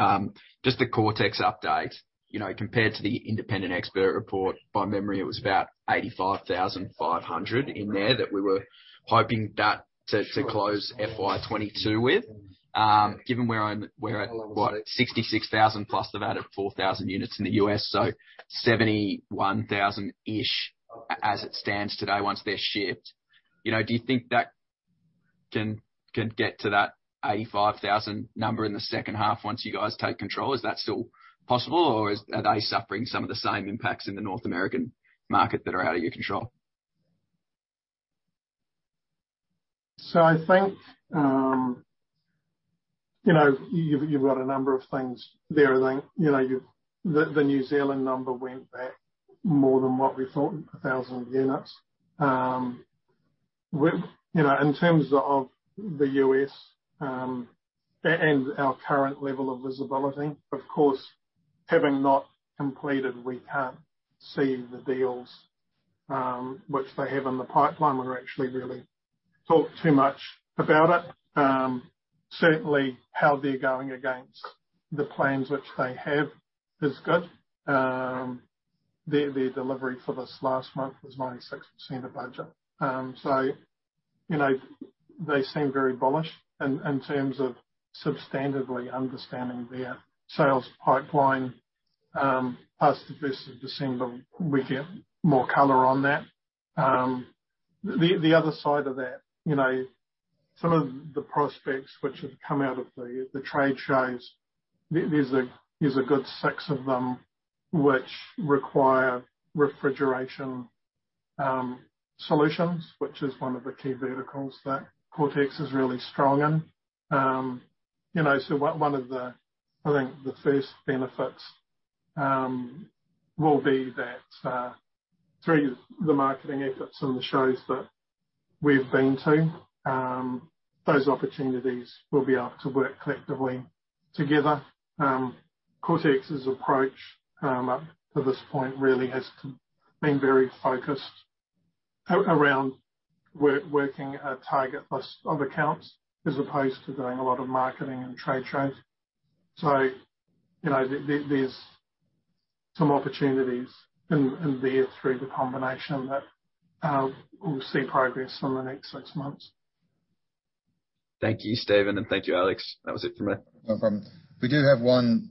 just the Coretex update. You know, compared to the independent expert report, by memory, it was about 85,500 in there that we were hoping to close FY 2022 with. Given we're at what 66,000 plus they've added 4,000 units in the U.S. 71,000-ish as it stands today once they're shipped. You know, do you think that can get to that 85,000 number in the second half once you guys take control? Is that still possible or are they suffering some of the same impacts in the North American market that are out of your control? I think, you know, you've got a number of things there. I think the New Zealand number went back more than what we thought, 1,000 units. You know, in terms of the US and our current level of visibility, of course, having not completed, we can't see the deals which they have in the pipeline or actually really talk too much about it. Certainly how they're going against the plans which they have is good. Their delivery for this last month was 96% of budget. You know, they seem very bullish in terms of substantively understanding their sales pipeline. Past the first of December, we get more color on that. The other side of that, you know, some of the prospects which have come out of the trade shows, there's a good six of them which require refrigeration solutions, which is one of the key verticals that Coretex is really strong in. You know, one of the, I think, the first benefits will be that through the marketing efforts and the shows that we've been to, those opportunities will be able to work collectively together. Coretex's approach up to this point really has been very focused around working a target list of accounts as opposed to doing a lot of marketing and trade shows. You know, there's some opportunities in there through the combination that we'll see progress on the next six months. Thank you, Steven, and thank you, Alex. That was it for me. No problem. We do have one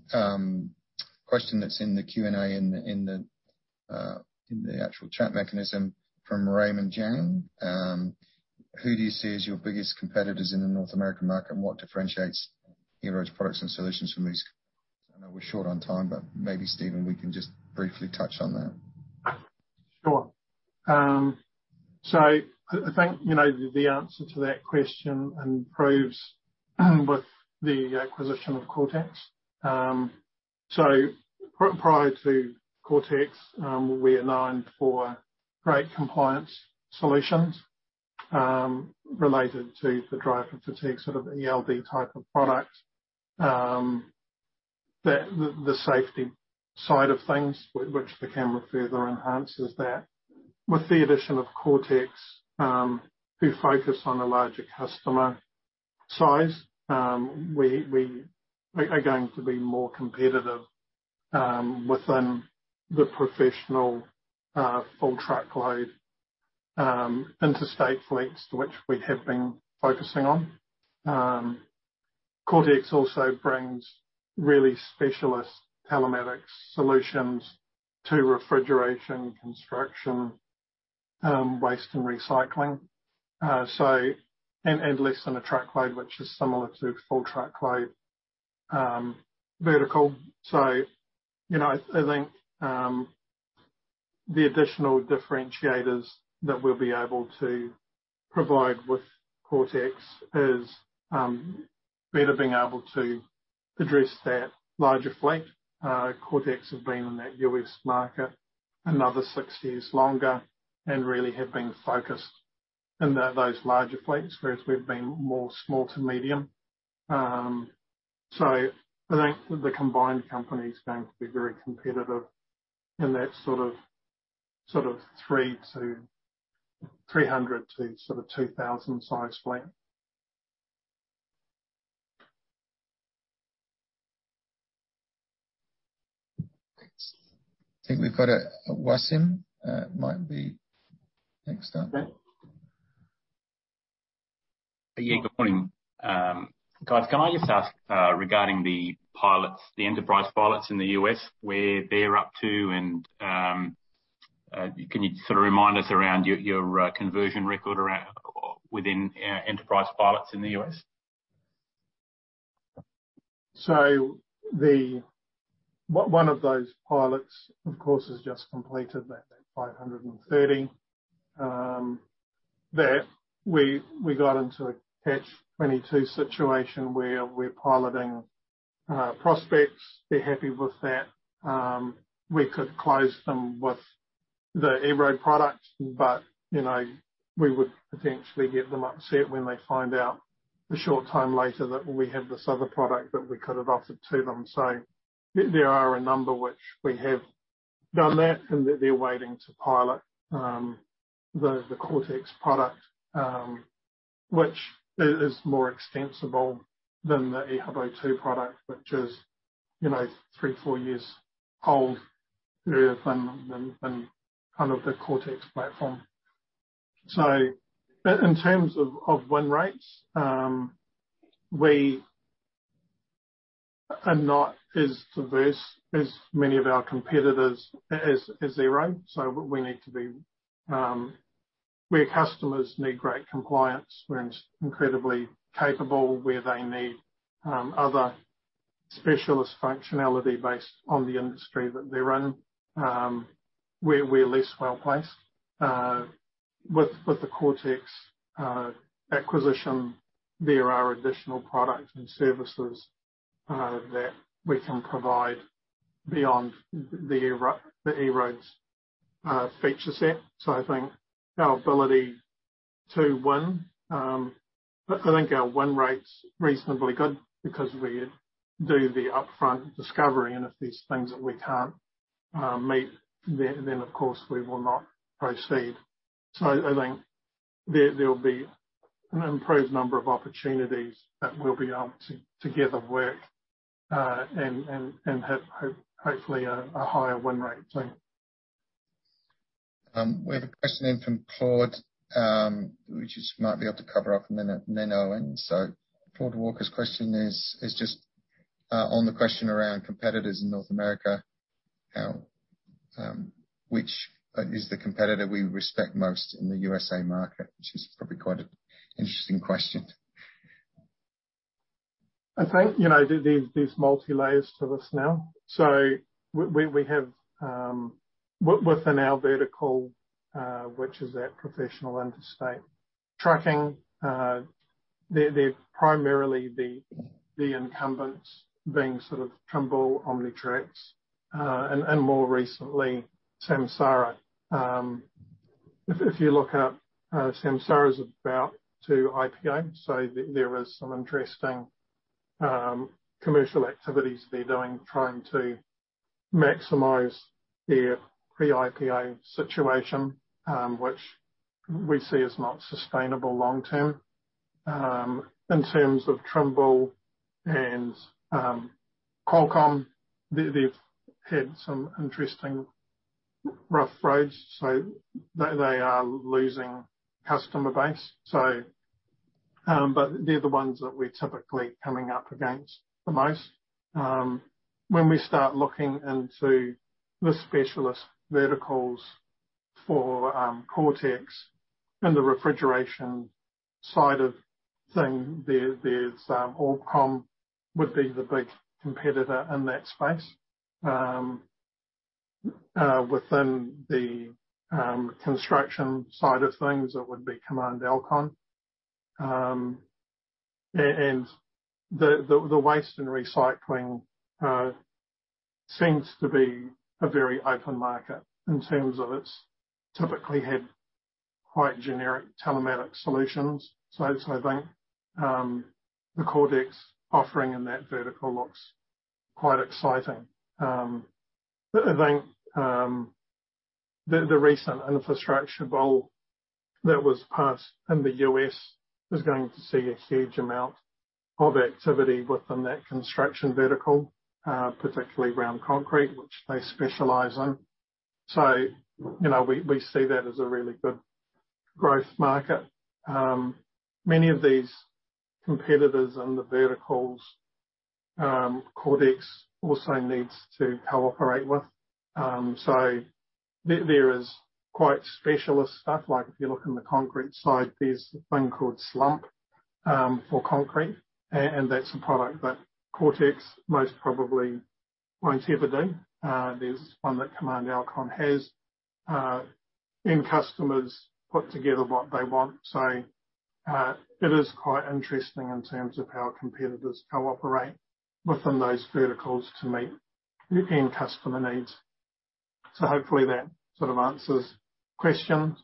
question that's in the Q&A in the actual chat mechanism from Raymond Jang. Who do you see as your biggest competitors in the North American market, and what differentiates EROAD's products and solutions from these? I know we're short on time, but maybe Steven, we can just briefly touch on that. Sure. I think, you know, the answer to that question improves with the acquisition of Coretex. Prior to Coretex, we are known for great compliance solutions related to the driver fatigue, sort of ELD type of product, the safety side of things, which the camera further enhances that. With the addition of Coretex, we focus on a larger customer size. We are going to be more competitive within the professional full truckload interstate fleets to which we have been focusing on. Coretex also brings really specialist telematics solutions to refrigeration, construction, waste and recycling, and less than a truckload, which is similar to full truckload, vertical. You know, I think the additional differentiators that we'll be able to provide with Coretex is better being able to address that larger fleet. Coretex have been in that U.S. market another six years longer and really have been focused in those larger fleets, whereas we've been more small to medium. I think the combined company is going to be very competitive in that sort of 300-2,000 size fleet. I think we've got a Wasim might be next up. Yeah. Good morning. Guys, can I just ask regarding the pilots, the enterprise pilots in the U.S., where they're up to? Can you sort of remind us around your conversion record around, within enterprise pilots in the U.S.? One of those pilots, of course, has just completed that 530. We got into a catch-22 situation where we're piloting prospects. They're happy with that. We could close them with the EROAD product, but, you know, we would potentially get them upset when they find out a short time later that we have this other product that we could have offered to them. There are a number which we have done that, and that they're waiting to pilot the Coretex product, which is more extensible than the Ehubo 2 product, which is, you know, 3-4 years old, than the Coretex platform. In terms of win rates, we are not as diverse as many of our competitors, as EROAD. We need to be where customers need great compliance, we're incredibly capable, where they need other specialist functionality based on the industry that they're in, we're less well-placed. With the Coretex acquisition, there are additional products and services that we can provide beyond the EROAD's feature set. I think our win rate's reasonably good because we do the upfront discovery, and if there's things that we can't meet, then of course we will not proceed. I think there will be an improved number of opportunities that we'll be able to work together and hopefully have a higher win rate too. We have a question in from Claude Walker, which might be able to cover off and then Owen. Claude Walker's question is just on the question around competitors in North America, which is the competitor we respect most in the USA market. Which is probably quite an interesting question. I think, you know, there's multi-layers to this now. We have within our vertical, which is that professional interstate trucking, they're primarily the incumbents being sort of Trimble, Omnitracs, and more recently Samsara. If you look up, Samsara's about to IPO, there is some interesting commercial activities they're doing, trying to maximize their pre-IPO situation, which we see as not sustainable long term. In terms of Trimble and Qualcomm, they've had some interesting rough roads, so they are losing customer base. But they're the ones that we're typically coming up against the most. When we start looking into the specialist verticals for Coretex in the refrigeration side of things, there's ORBCOMM would be the big competitor in that space. Within the construction side of things, it would be Command Alkon. The waste and recycling seems to be a very open market in terms of it's typically had quite generic telematics solutions. I think the Coretex offering in that vertical looks quite exciting. I think the recent infrastructure bill that was passed in the U.S. is going to see a huge amount of activity within that construction vertical, particularly around concrete, which they specialize in. You know, we see that as a really good growth market. Many of these competitors in the verticals, Coretex also needs to cooperate with. There is quite specialist stuff like if you look in the concrete side, there's a thing called slump for concrete, and that's a product that Coretex most probably won't ever do. There's one that Command Alkon has. End customers put together what they want. It is quite interesting in terms of how competitors cooperate within those verticals to meet the end customer needs. Hopefully that sort of answers questions.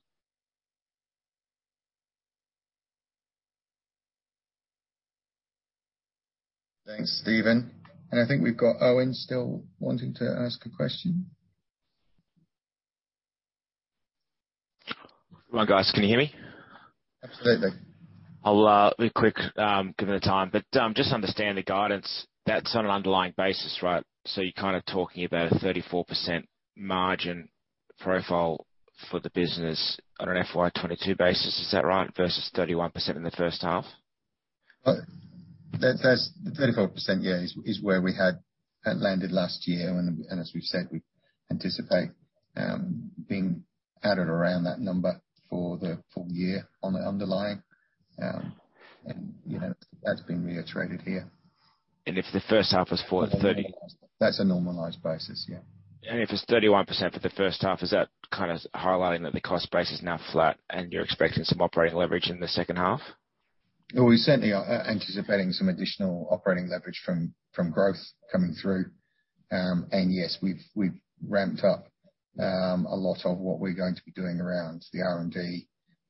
Thanks, Steven. I think we've got Owen still wanting to ask a question. Well, guys, can you hear me? Absolutely. I'll be quick, given the time, but just understand the guidance that's on an underlying basis, right? You're kinda talking about a 34% margin profile for the business on an FY 2022 basis. Is that right? Versus 31% in the first half. Well, that's the 34%, yeah, is where we had landed last year. As we've said, we anticipate being out and around that number for the full year on the underlying. You know, that's been reiterated here. If the first half was for the 30? That's a normalized basis, yeah. If it's 31% for the first half, is that kinda highlighting that the cost base is now flat and you're expecting some operating leverage in the second half? Well, we certainly are anticipating some additional operating leverage from growth coming through. Yes, we've ramped up a lot of what we're going to be doing around the R&D,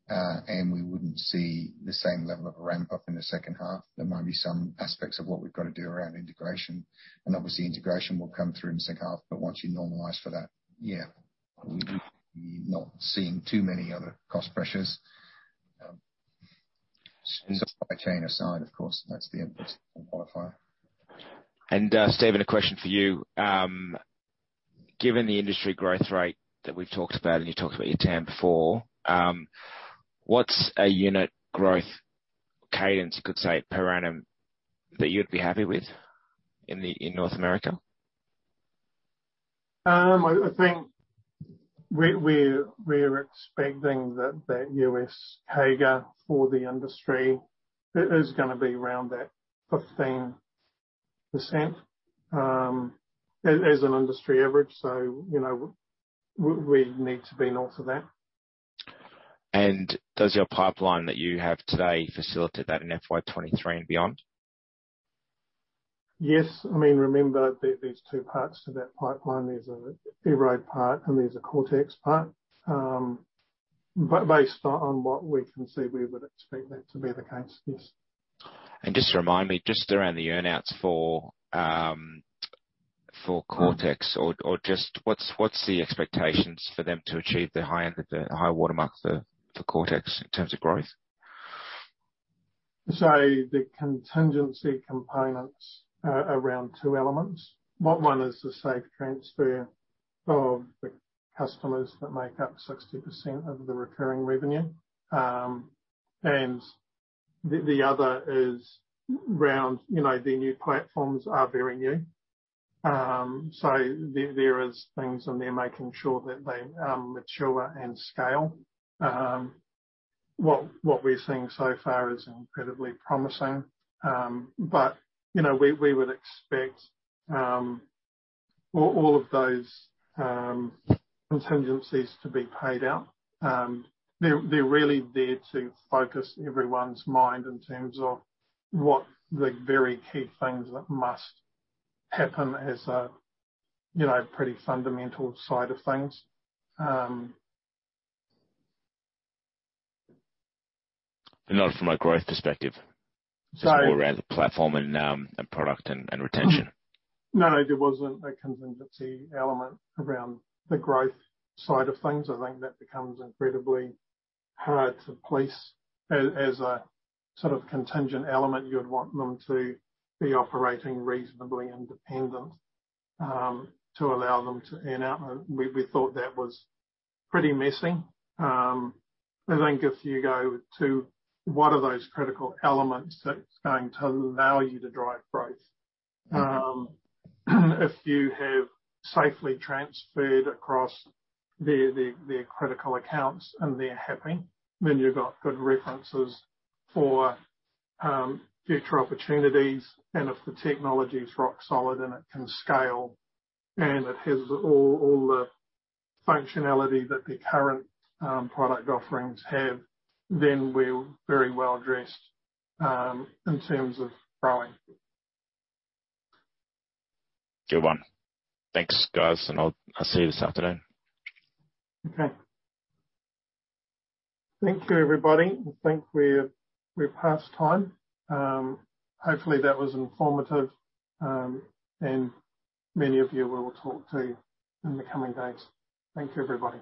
and we wouldn't see the same level of a ramp up in the second half. There might be some aspects of what we've got to do around integration, and obviously integration will come through in the second half. Once you normalize for that, yeah, we've not seen too many other cost pressures. Supply chain aside, of course, that's the important qualifier. Steven, a question for you. Given the industry growth rate that we've talked about, and you talked about your TAM before, what's a unit growth cadence, you could say, per annum, that you'd be happy with in North America? I think we're expecting that U.S. CAGR for the industry is gonna be around that 15%, as an industry average. You know, we need to be north of that. Does your pipeline that you have today facilitate that in FY 2023 and beyond? Yes. I mean, remember there's two parts to that pipeline. There's a EROAD part and there's a Coretex part. But based on what we can see, we would expect that to be the case, yes. Just remind me, just around the earn outs for Coretex or just what's the expectations for them to achieve the high end of the high watermark for Coretex in terms of growth? The contingency components around two elements. One is the safe transfer of the customers that make up 60% of the recurring revenue. The other is around, you know, their new platforms are very new. There is things in there making sure that they mature and scale. What we're seeing so far is incredibly promising. You know, we would expect all of those contingencies to be paid out. They're really there to focus everyone's mind in terms of what the very key things that must happen as a, you know, pretty fundamental side of things. Not from a growth perspective. Just more around the platform and product and retention. No, there wasn't a contingency element around the growth side of things. I think that becomes incredibly hard to place. As a sort of contingent element, you'd want them to be operating reasonably independent to allow them to earn out. We thought that was pretty messy. I think if you go to what are those critical elements that's going to allow you to drive growth. If you have safely transferred across their critical accounts and they're happy, then you've got good references for future opportunities. If the technology is rock solid and it can scale, and it has all the functionality that their current product offerings have, then we're very well addressed in terms of growing. Good one. Thanks, guys, and I'll see you this afternoon. Okay. Thank you, everybody. I think we're past time. Hopefully that was informative, and many of you we'll talk to in the coming days. Thank you, everybody.